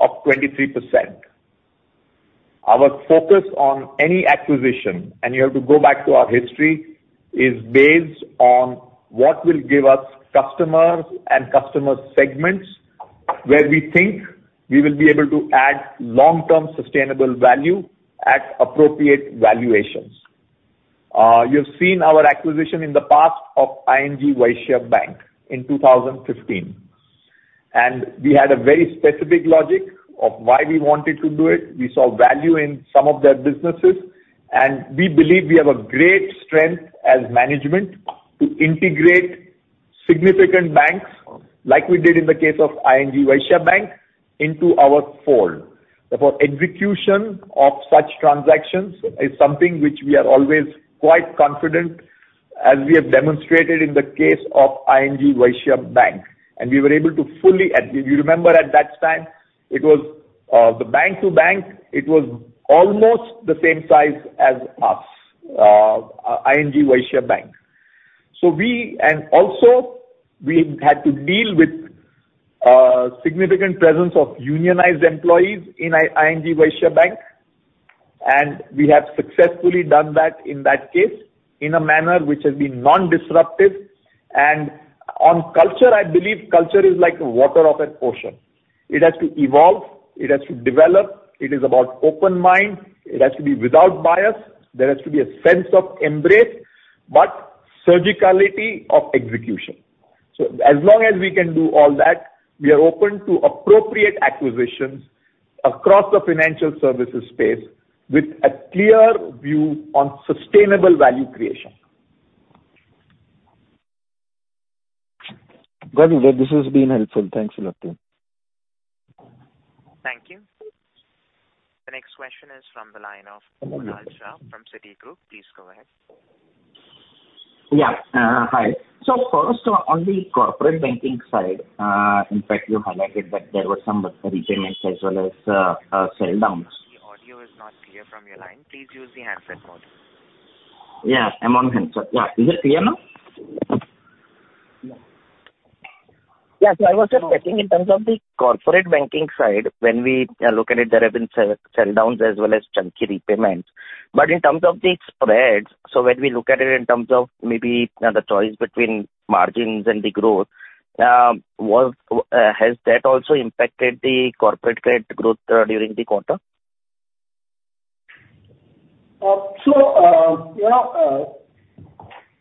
of 23%. Our focus on any acquisition, and you have to go back to our history, is based on what will give us customers and customer segments where we think we will be able to add long-term sustainable value at appropriate valuations. You've seen our acquisition in the past of ING Vysya Bank in 2015, and we had a very specific logic of why we wanted to do it. We saw value in some of their businesses, and we believe we have a great strength as management to integrate significant banks, like we did in the case of ING Vysya Bank, into our fold. Therefore, execution of such transactions is something which we are always quite confident, as we have demonstrated in the case of ING Vysya Bank. We were able to fully... If you remember at that time, it was the bank to bank, it was almost the same size as us, ING Vysya Bank. And also, we had to deal with significant presence of unionized employees in ING Vysya Bank, and we have successfully done that in that case in a manner which has been non-disruptive. On culture, I believe culture is like water of an ocean. It has to evolve. It has to develop. It is about open mind. It has to be without bias. There has to be a sense of embrace, but surgicality of execution. As long as we can do all that, we are open to appropriate acquisitions across the financial services space with a clear view on sustainable value creation. Got it, Uday. This has been helpful. Thanks a lot to you. Thank you. The next question is from the line of Kunal Shah from Citigroup. Please go ahead. Hi. First on the corporate banking side, in fact, you highlighted that there were some repayments as well as sell downs. The audio is not clear from your line. Please use the handset mode. Yeah, I'm on handset. Yeah. Is it clear now? Yeah. I was just checking in terms of the corporate banking side. When we look at it, there have been sell downs as well as chunky repayments. In terms of the spreads, when we look at it in terms of maybe the choice between margins and the growth, was, has that also impacted the corporate credit growth during the quarter? You know,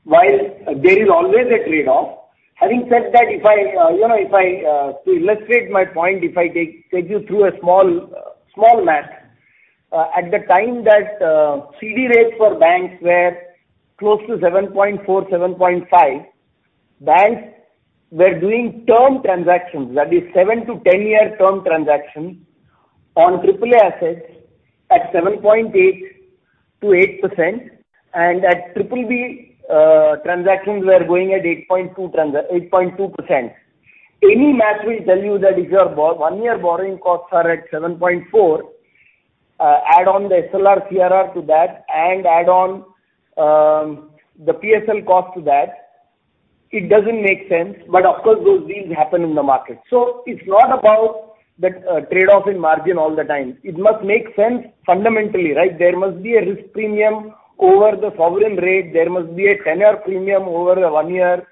while there is always a trade-off, having said that, if I, you know, if I, to illustrate my point, if I take you through a small math. At the time that CD rates for banks were close to 7.4%, 7.5%, banks were doing term transactions, that is 7-10-year term transactions on AAA assets at 7.8%-8% and at BBB, transactions were going at 8.2%. Any math will tell you that if your one year borrowing costs are at 7.4%, add on the SLR, CRR to that and add on the PSL cost to that, it doesn't make sense. Of course, those deals happen in the market. It's not about the trade-off in margin all the time. It must make sense fundamentally, right? There must be a risk premium over the sovereign rate. There must be a 10-year premium over a one year.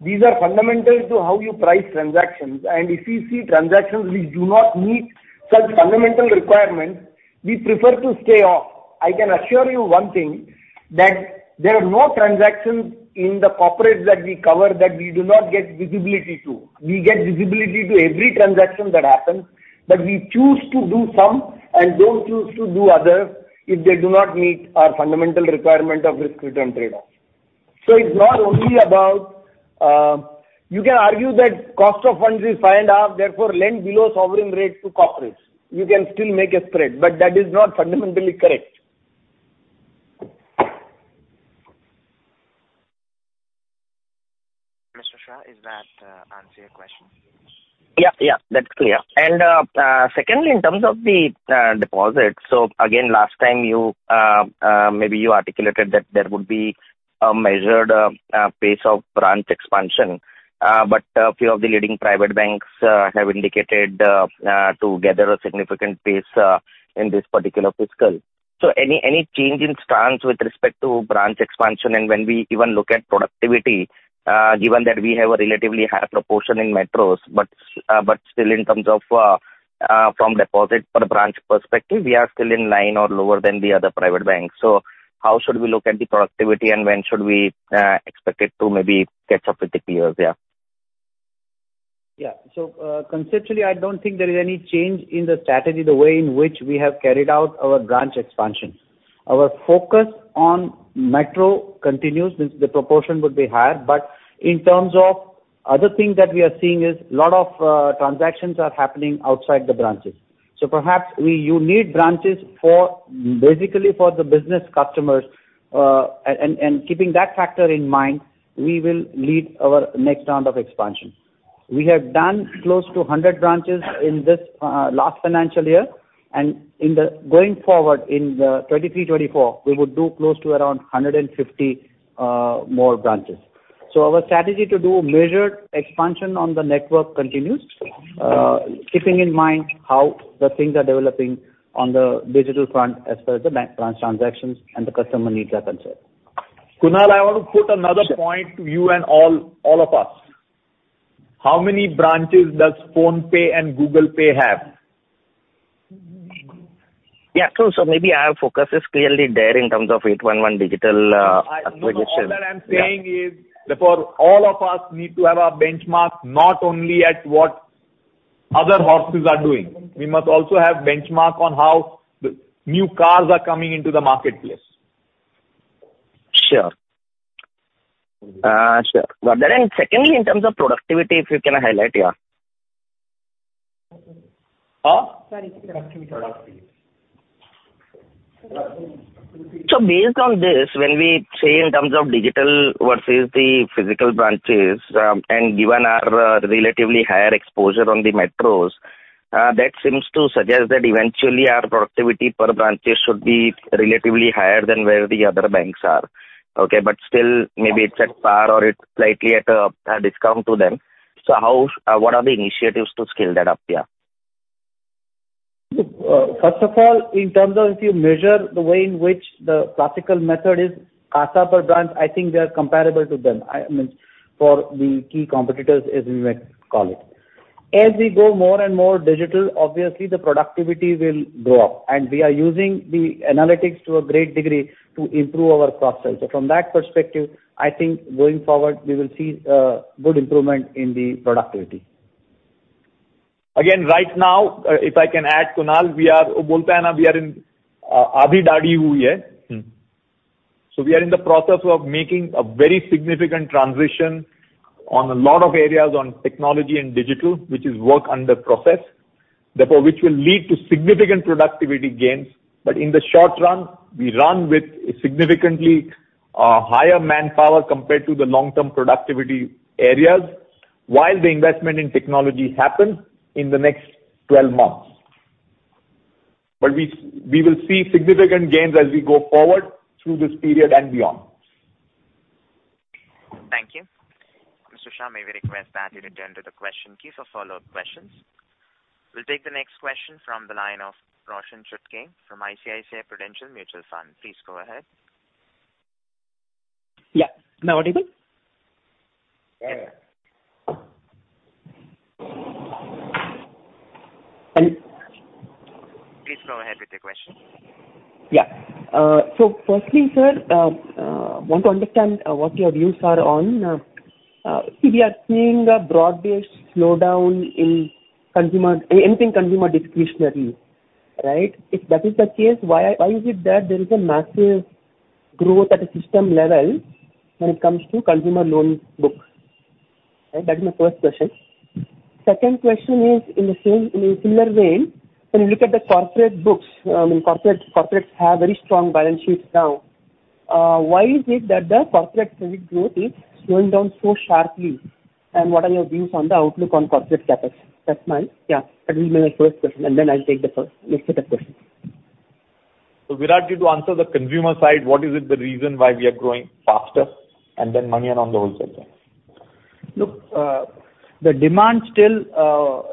These are fundamental to how you price transactions. If you see transactions which do not meet such fundamental requirements, we prefer to stay off. I can assure you one thing that there are no transactions in the corporate that we cover that we do not get visibility to. We get visibility to every transaction that happens, we choose to do some and don't choose to do others if they do not meet our fundamental requirement of risk-return trade-off. It's not only about. You can argue that cost of funds is 5.5%, therefore lend below sovereign rate to corporates. You can still make a spread, but that is not fundamentally correct. Mr. Shah, does that answer your question? Yeah, that's clear. Secondly, in terms of the deposits, again, last time you maybe you articulated that there would be a measured pace of branch expansion, but a few of the leading private banks have indicated to gather a significant pace in this particular fiscal. Any change in stance with respect to branch expansion? When we even look at productivity, given that we have a relatively higher proportion in metros, still in terms of from deposit per branch perspective, we are still in line or lower than the other private banks. How should we look at the productivity and when should we expect it to maybe catch up with the peers? Conceptually, I don't think there is any change in the strategy, the way in which we have carried out our branch expansion. Our focus on metro continues, means the proportion would be higher. In terms of other things that we are seeing is a lot of transactions are happening outside the branches. Perhaps you need branches for, basically, for the business customers. Keeping that factor in mind, we will lead our next round of expansion. We have done close to 100 branches in this last financial year, and going forward in the 2023, 2024, we would do close to around 150 more branches. Our strategy to do measured expansion on the network continues, keeping in mind how the things are developing on the digital front as per the bank branch transactions and the customer needs are concerned. Kunal, I want to put another point to you and all of us. How many branches does PhonePe and Google Pay have? Yeah. Maybe our focus is clearly there in terms of 811 Digital acquisition. Yeah. No, all that I'm saying is therefore all of us need to have a benchmark not only at what other horses are doing. We must also have benchmark on how the new cars are coming into the marketplace. Sure. Sure. Secondly, in terms of productivity, if you can highlight. Yeah. Huh? Sorry. Productivity. Based on this, when we say in terms of digital versus the physical branches, and given our relatively higher exposure on the metros, that seems to suggest that eventually our productivity per branches should be relatively higher than where the other banks are. Okay. Still maybe it's at par or it's slightly at a discount to them. How, what are the initiatives to scale that up? First of all, in terms of if you measure the way in which the classical method is CASA per branch, I think we are comparable to them. I mean, for the key competitors, as we may call it. As we go more and more digital, obviously the productivity will go up and we are using the analytics to a great degree to improve our cross-sell. From that perspective, I think going forward we will see a good improvement in the productivity. Right now, if I can add, Kunal, we are in the process of making a very significant transition on a lot of areas on technology and digital, which is work under process. Therefore, which will lead to significant productivity gains. In the short run, we run with a significantly higher manpower compared to the long-term productivity areas while the investment in technology happens in the next 12 months. We will see significant gains as we go forward through this period and beyond. Thank you. Mr. Shah, may we request that you return to the question queue for follow-up questions. We'll take the next question from the line of Roshan Chutkey from ICICI Prudential Mutual Fund. Please go ahead. Yeah. Now audible? Please go ahead with your question. Yeah. Firstly, sir, want to understand what your views are on we are seeing a broad-based slowdown in anything consumer discretionary, right? If that is the case, why is it that there is a massive growth at a system level when it comes to consumer loan books? Right? That is my first question. Second question is in the same, in a similar vein, when you look at the corporate books, I mean, corporates have very strong balance sheets now. Why is it that the corporate credit growth is slowing down so sharply, and what are your views on the outlook on corporate sectors? That will be my first question. Then I'll take the next set of questions. Virat, you to answer the consumer side, what is it the reason why we are growing faster, and then Manian on the whole sector. Look, the demand still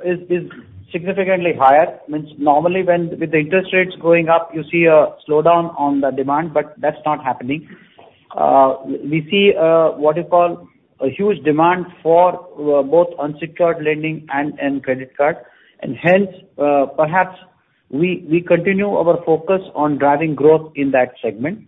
is significantly higher. Means normally when with the interest rates going up, you see a slowdown on the demand, that's not happening. We see what you call a huge demand for both unsecured lending and credit card, hence perhaps we continue our focus on driving growth in that segment.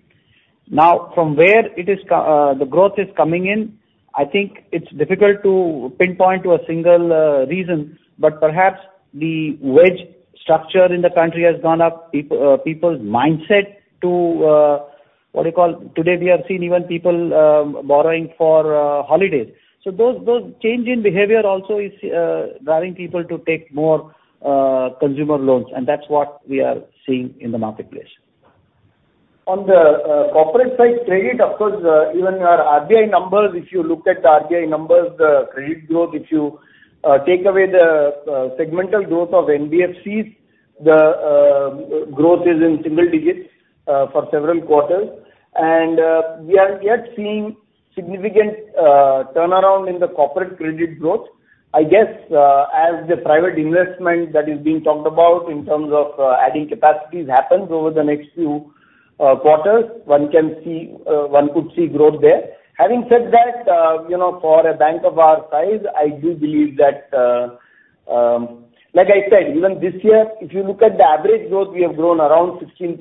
From where it is the growth is coming in, I think it's difficult to pinpoint to a single reason, perhaps the wage structure in the country has gone up, people's mindset to what do you call... Today we have seen even people borrowing for holidays. Those change in behavior also is driving people to take more consumer loans, that's what we are seeing in the marketplace. On the corporate side credit, of course, even your RBI numbers, if you looked at the RBI numbers, the credit growth, if you take away the segmental growth of NBFCs, the growth is in single digits for several quarters. We are yet seeing significant turnaround in the corporate credit growth. I guess, as the private investment that is being talked about in terms of adding capacities happens over the next few quarters, one can see one could see growth there. Having said that, you know, for a bank of our size, I do believe that, like I said, even this year, if you look at the average growth, we have grown around 16%.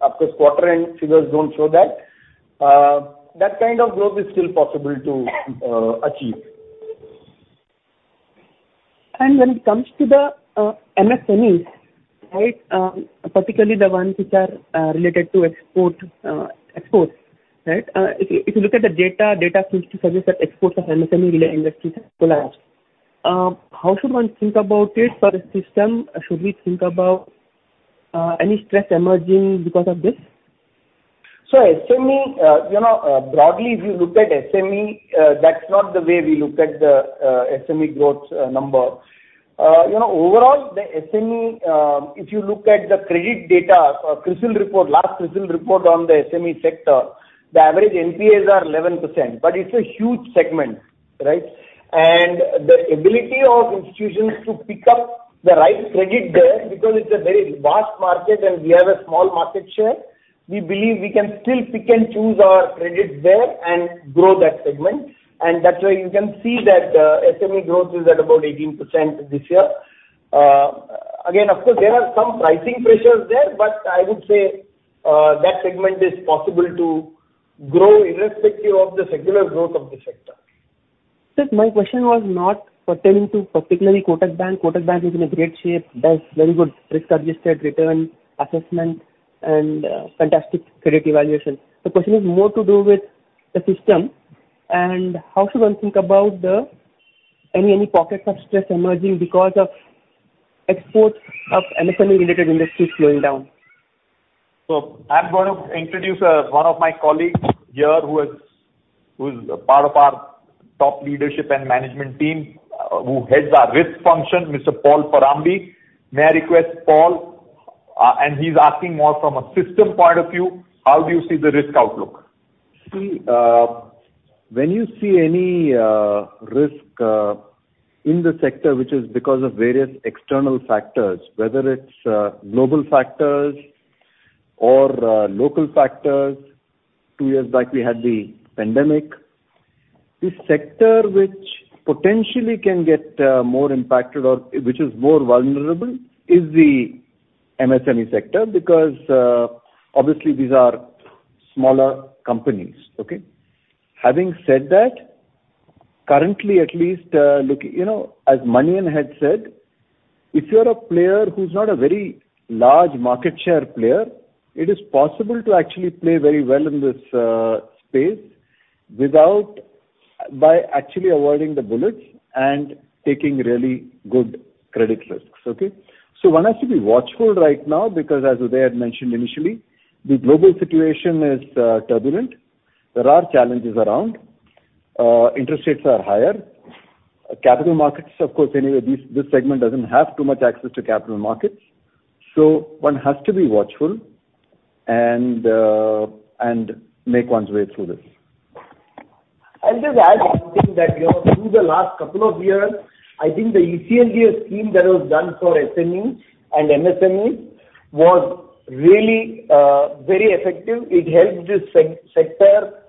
Of course, quarter end figures don't show that. That kind of growth is still possible to achieve. When it comes to the MSMEs, right, particularly the ones which are related to exports, right? If you look at the data seems to suggest that exports of MSME-related industries have collapsed. How should one think about it for the system? Should we think about any stress emerging because of this? SME, you know, broadly if you look at SME, that's not the way we look at the SME growth number. You know, overall the SME, if you look at the credit data, CRISIL report, last CRISIL report on the SME sector, the average NPAs are 11%, but it's a huge segment, right? The ability of institutions to pick up the right credit there, because it's a very vast market and we have a small market share, we believe we can still pick and choose our credits there and grow that segment. That's why you can see that SME growth is at about 18% this year. Again, of course, there are some pricing pressures there, but I would say that segment is possible to grow irrespective of the secular growth of the sector. Sir, my question was not pertaining to particularly Kotak Bank. Kotak Bank is in a great shape, does very good risk-adjusted return assessment and fantastic credit evaluation. The question is more to do with the system and how should one think about the any pockets of stress emerging because of exports of MSME-related industries slowing down? I'm going to introduce one of my colleagues here who is part of our top leadership and management team, who heads our risk function, Mr. Paul Parambi. May I request Paul, and he's asking more from a system point of view, how do you see the risk outlook? See, when you see any risk in the sector, which is because of various external factors, whether it's global factors or local factors, 2 years back we had the pandemic. The sector which potentially can get more impacted or which is more vulnerable is the MSME sector because obviously these are smaller companies. Okay? Having said that, currently at least, look, you know, as Manian had said, if you're a player who's not a very large market share player, it is possible to actually play very well in this space without By actually avoiding the bullets and taking really good credit risks. Okay? One has to be watchful right now because as Uday had mentioned initially, the global situation is turbulent. There are challenges around. Interest rates are higher. Capital markets, of course, anyway, this segment doesn't have too much access to capital markets. One has to be watchful and make one's way through this. I'll just add something that, you know, through the last couple of years, I think the ECLGS scheme that was done for SMEs and MSMEs was really, very effective. It helped this sector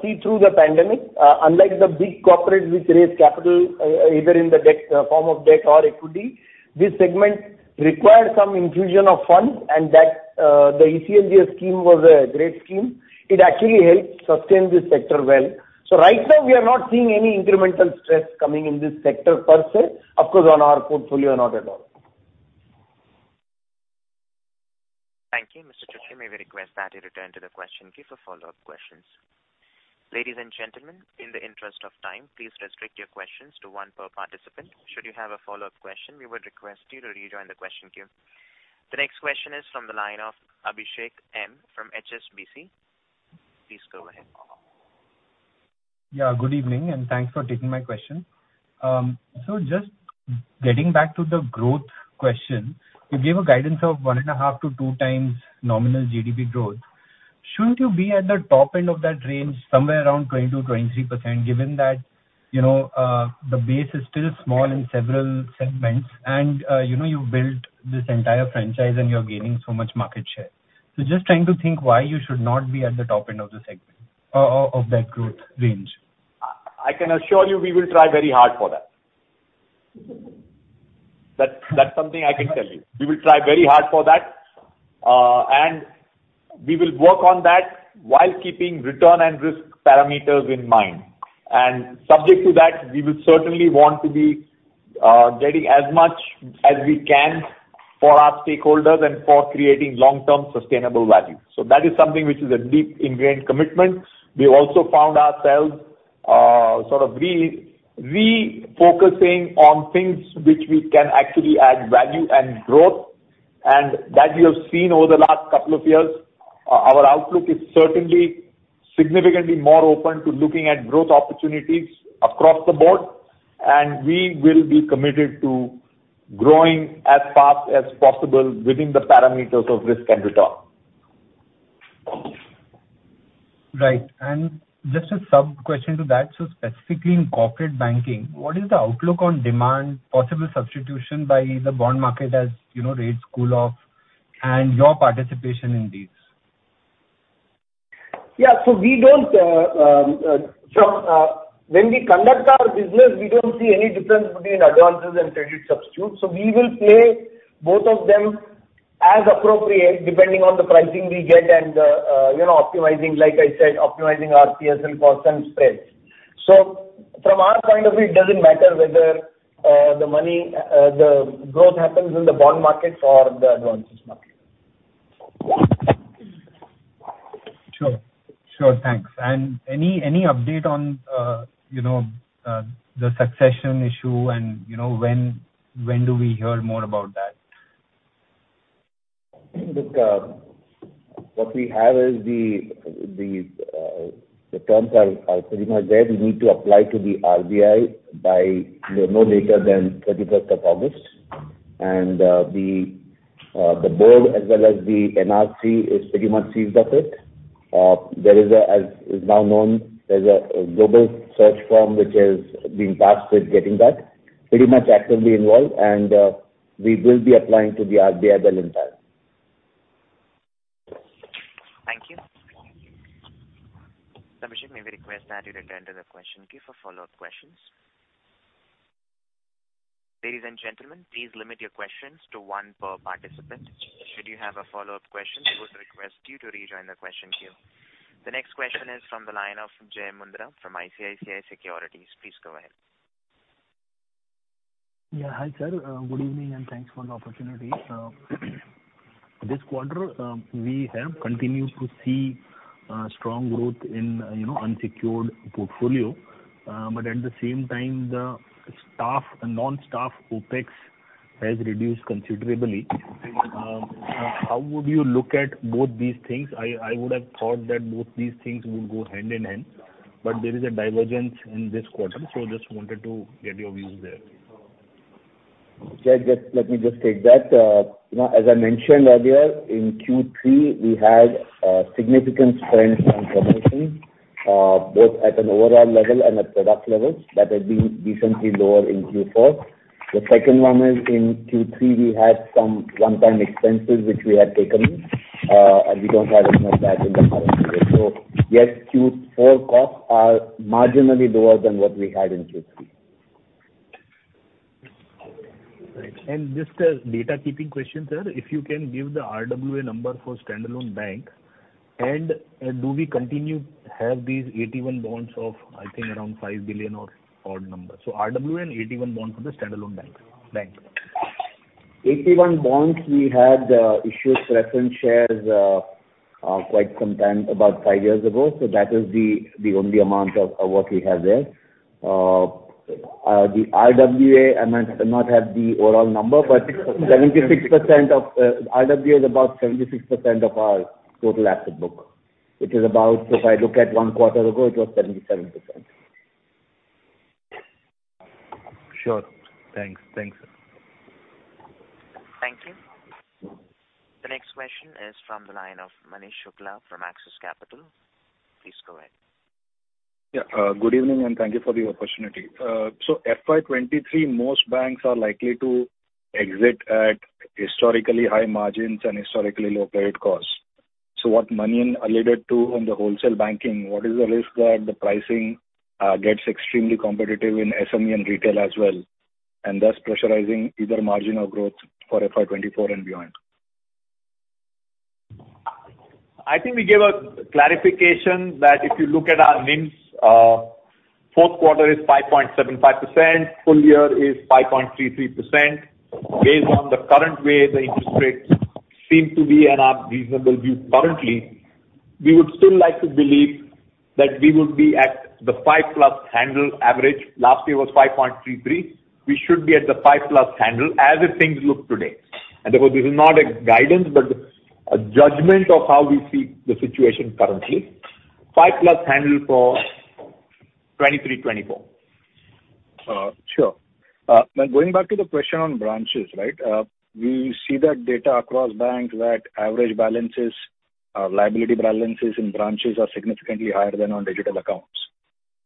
see through the pandemic. Unlike the big corporate which raised capital, either in the form of debt or equity, this segment required some infusion of funds and that, the ECLGS scheme was a great scheme. It actually helped sustain this sector well. Right now we are not seeing any incremental stress coming in this sector per se, of course on our portfolio, not at all. Thank you, Mr. Chutkey. May we request that you return to the question queue for follow-up questions. Ladies and gentlemen, in the interest of time, please restrict your questions to one per participant. Should you have a follow-up question, we would request you to rejoin the question queue. The next question is from the line of Abhishek Murarka from HSBC. Please go ahead. Good evening and thanks for taking my question. Just getting back to the growth question, you gave a guidance of 1.5-2x nominal GDP growth. Shouldn't you be at the top end of that range, somewhere around 20%-23%, given that, you know, the base is still small in several segments and, you know, you've built this entire franchise and you're gaining so much market share. Just trying to think why you should not be at the top end of the segment, of that growth range. I can assure you we will try very hard for that. That's something I can tell you. We will try very hard for that, and we will work on that while keeping return and risk parameters in mind. Subject to that, we will certainly want to be getting as much as we can for our stakeholders and for creating long-term sustainable value. That is something which is a deep ingrained commitment. We have also found ourselves sort of refocusing on things which we can actually add value and growth, and that we have seen over the last couple of years. Our outlook is certainly significantly more open to looking at growth opportunities across the board, and we will be committed to growing as fast as possible within the parameters of risk and return. Right. Just a sub-question to that. Specifically in corporate banking, what is the outlook on demand, possible substitution by the bond market as, you know, rates cool off and your participation in these? We don't, when we conduct our business, we don't see any difference between advances and credit substitutes. We will play both of them as appropriate depending on the pricing we get and, you know, optimizing, like I said, optimizing our PSL for some spreads. From our point of view, it doesn't matter whether the money, the growth happens in the bond market or the advances market. Sure. Sure. Thanks. Any update on, you know, the succession issue and, you know, when do we hear more about that? Look, what we have is the terms are pretty much there. We need to apply to the RBI by, you know, no later than 31st of August. The board as well as the NRC is pretty much seized of it. There is a, as is now known, there's a global search firm which has been tasked with getting that pretty much actively involved and we will be applying to the RBI well in time. Thank you. Abhishek, may we request that you return to the question queue for follow-up questions. Ladies and gentlemen, please limit your questions to one per participant. Should you have a follow-up question, we would request you to rejoin the question queue. The next question is from the line of Jai Mundra from ICICI Securities. Please go ahead. Yeah. Hi, sir. Good evening and thanks for the opportunity. This quarter, we have continued to see strong growth in, you know, unsecured portfolio. But at the same time the staff, non-staff OpEx has reduced considerably. How would you look at both these things? I would have thought that both these things would go hand in hand, but there is a divergence in this quarter. Just wanted to get your views there. Jai, just let me just take that. you know, as I mentioned earlier in Q3, we had significant strength on commissions, both at an overall level and at product levels. That has been decently lower in Q4. The second one is in Q3, we had some one-time expenses which we had taken in, and we don't have as much of that in the current quarter. Yes, Q4 costs are marginally lower than what we had in Q3. Right. Just a data keeping question, sir. If you can give the RWA number for standalone bank and do we continue to have these 81 bonds of I think around 5 billion or odd number? RWA and 81 bond for the standalone bank. 81 bonds we had issued preference shares quite some time, about 5 years ago, that is the only amount of what we have there. The RWA, I might not have the overall number. 76%. 76% of RWA is about 76% of our total asset book. It is about, if I look at one quarter ago, it was 77%. Sure. Thanks. Thanks. Thank you. The next question is from the line of Manish Shukla from Axis Capital. Please go ahead. Yeah. good evening, and thank you for the opportunity. FY 2023, most banks are likely to exit at historically high margins and historically low period costs. What Manian alluded to on the wholesale banking, what is the risk that the pricing gets extremely competitive in SME and retail as well, and thus pressurizing either margin or growth for FY 2024 and beyond? I think we gave a clarification that if you look at our NIMs, fourth quarter is 5.75%, full year is 5.33%. Based on the current way the interest rates seem to be and our reasonable view currently, we would still like to believe that we will be at the 5+ handle average. Last year was 5.33%. We should be at the 5+ handle as the things look today. Therefore, this is not a guidance, but a judgment of how we see the situation currently. 5+ handle for 2023, 2024. Sure. Now going back to the question on branches, right? We see that data across banks that average balances, liability balances in branches are significantly higher than on digital accounts.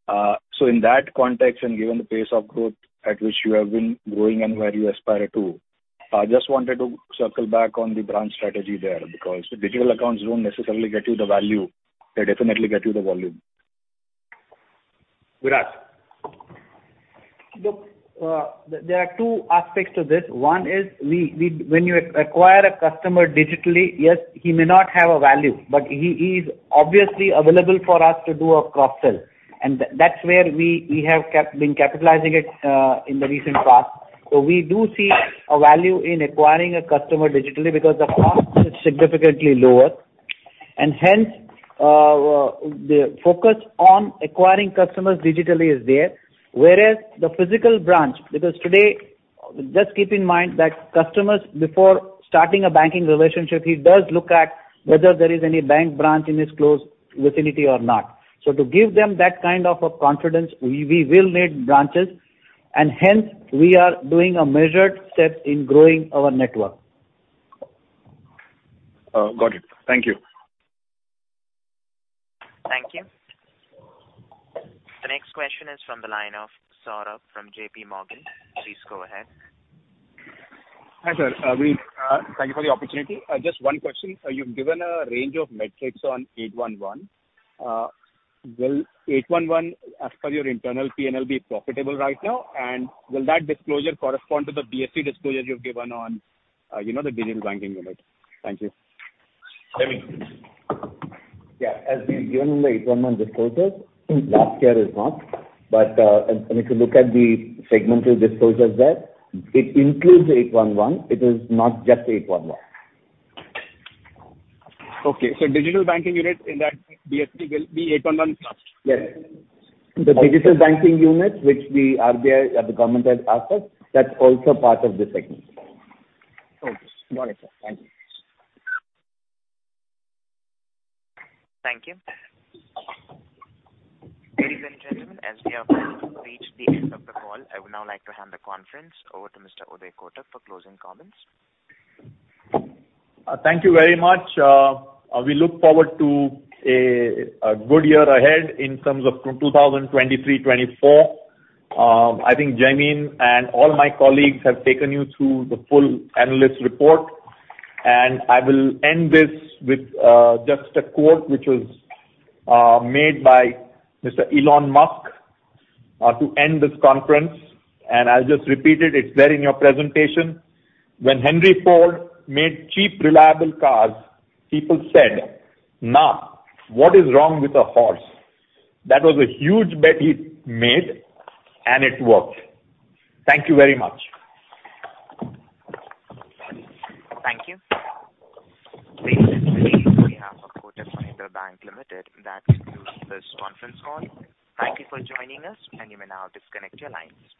In that context, and given the pace of growth at which you have been growing and where you aspire to, I just wanted to circle back on the branch strategy there because digital accounts don't necessarily get you the value. They definitely get you the volume. Viraj. Look, there are two aspects to this. One is when you acquire a customer digitally, yes, he may not have a value, but he is obviously available for us to do a cross-sell. That's where we have been capitalizing it in the recent past. We do see a value in acquiring a customer digitally because the cost is significantly lower and hence the focus on acquiring customers digitally is there. Whereas the physical branch, because today, just keep in mind that customers before starting a banking relationship, he does look at whether there is any bank branch in his close vicinity or not. To give them that kind of a confidence, we will need branches and hence we are doing a measured step in growing our network. Got it. Thank you. Thank you. The next question is from the line of Saurabh from JP Morgan. Please go ahead. Hi, sir. We thank you for the opportunity. Just one question. You've given a range of metrics on 811. Will 811 as per your internal PNL be profitable right now? Will that disclosure correspond to the BSE disclosure you've given on, you know, the digital banking unit? Thank you. Jaimin. Yeah. As we've given in the 811 disclosures, last year is not. If you look at the segmental disclosures there, it includes 811. It is not just 811. Okay. digital banking unit in that BSE will be 811 plus? Yes. The digital banking unit which we are there at the government has asked us, that's also part of this segment. Okay. Got it, sir. Thank you. Thank you. Ladies and gentlemen, as we have now reached the end of the call, I would now like to hand the conference over to Mr. Uday Kotak for closing comments. Thank you very much. We look forward to a good year ahead in terms of 2023, 2024. I think Jaimin and all my colleagues have taken you through the full analyst report. I will end this with just a quote which was made by Mr. Elon Musk to end this conference, and I'll just repeat it. It's there in your presentation. "When Henry Ford made cheap, reliable cars, people said, 'Now, what is wrong with a horse?'" That was a huge bet he made, and it worked. Thank you very much. Thank you. This is the release on behalf of Kotak Mahindra Bank Limited that concludes this conference call. Thank you for joining us and you may now disconnect your lines.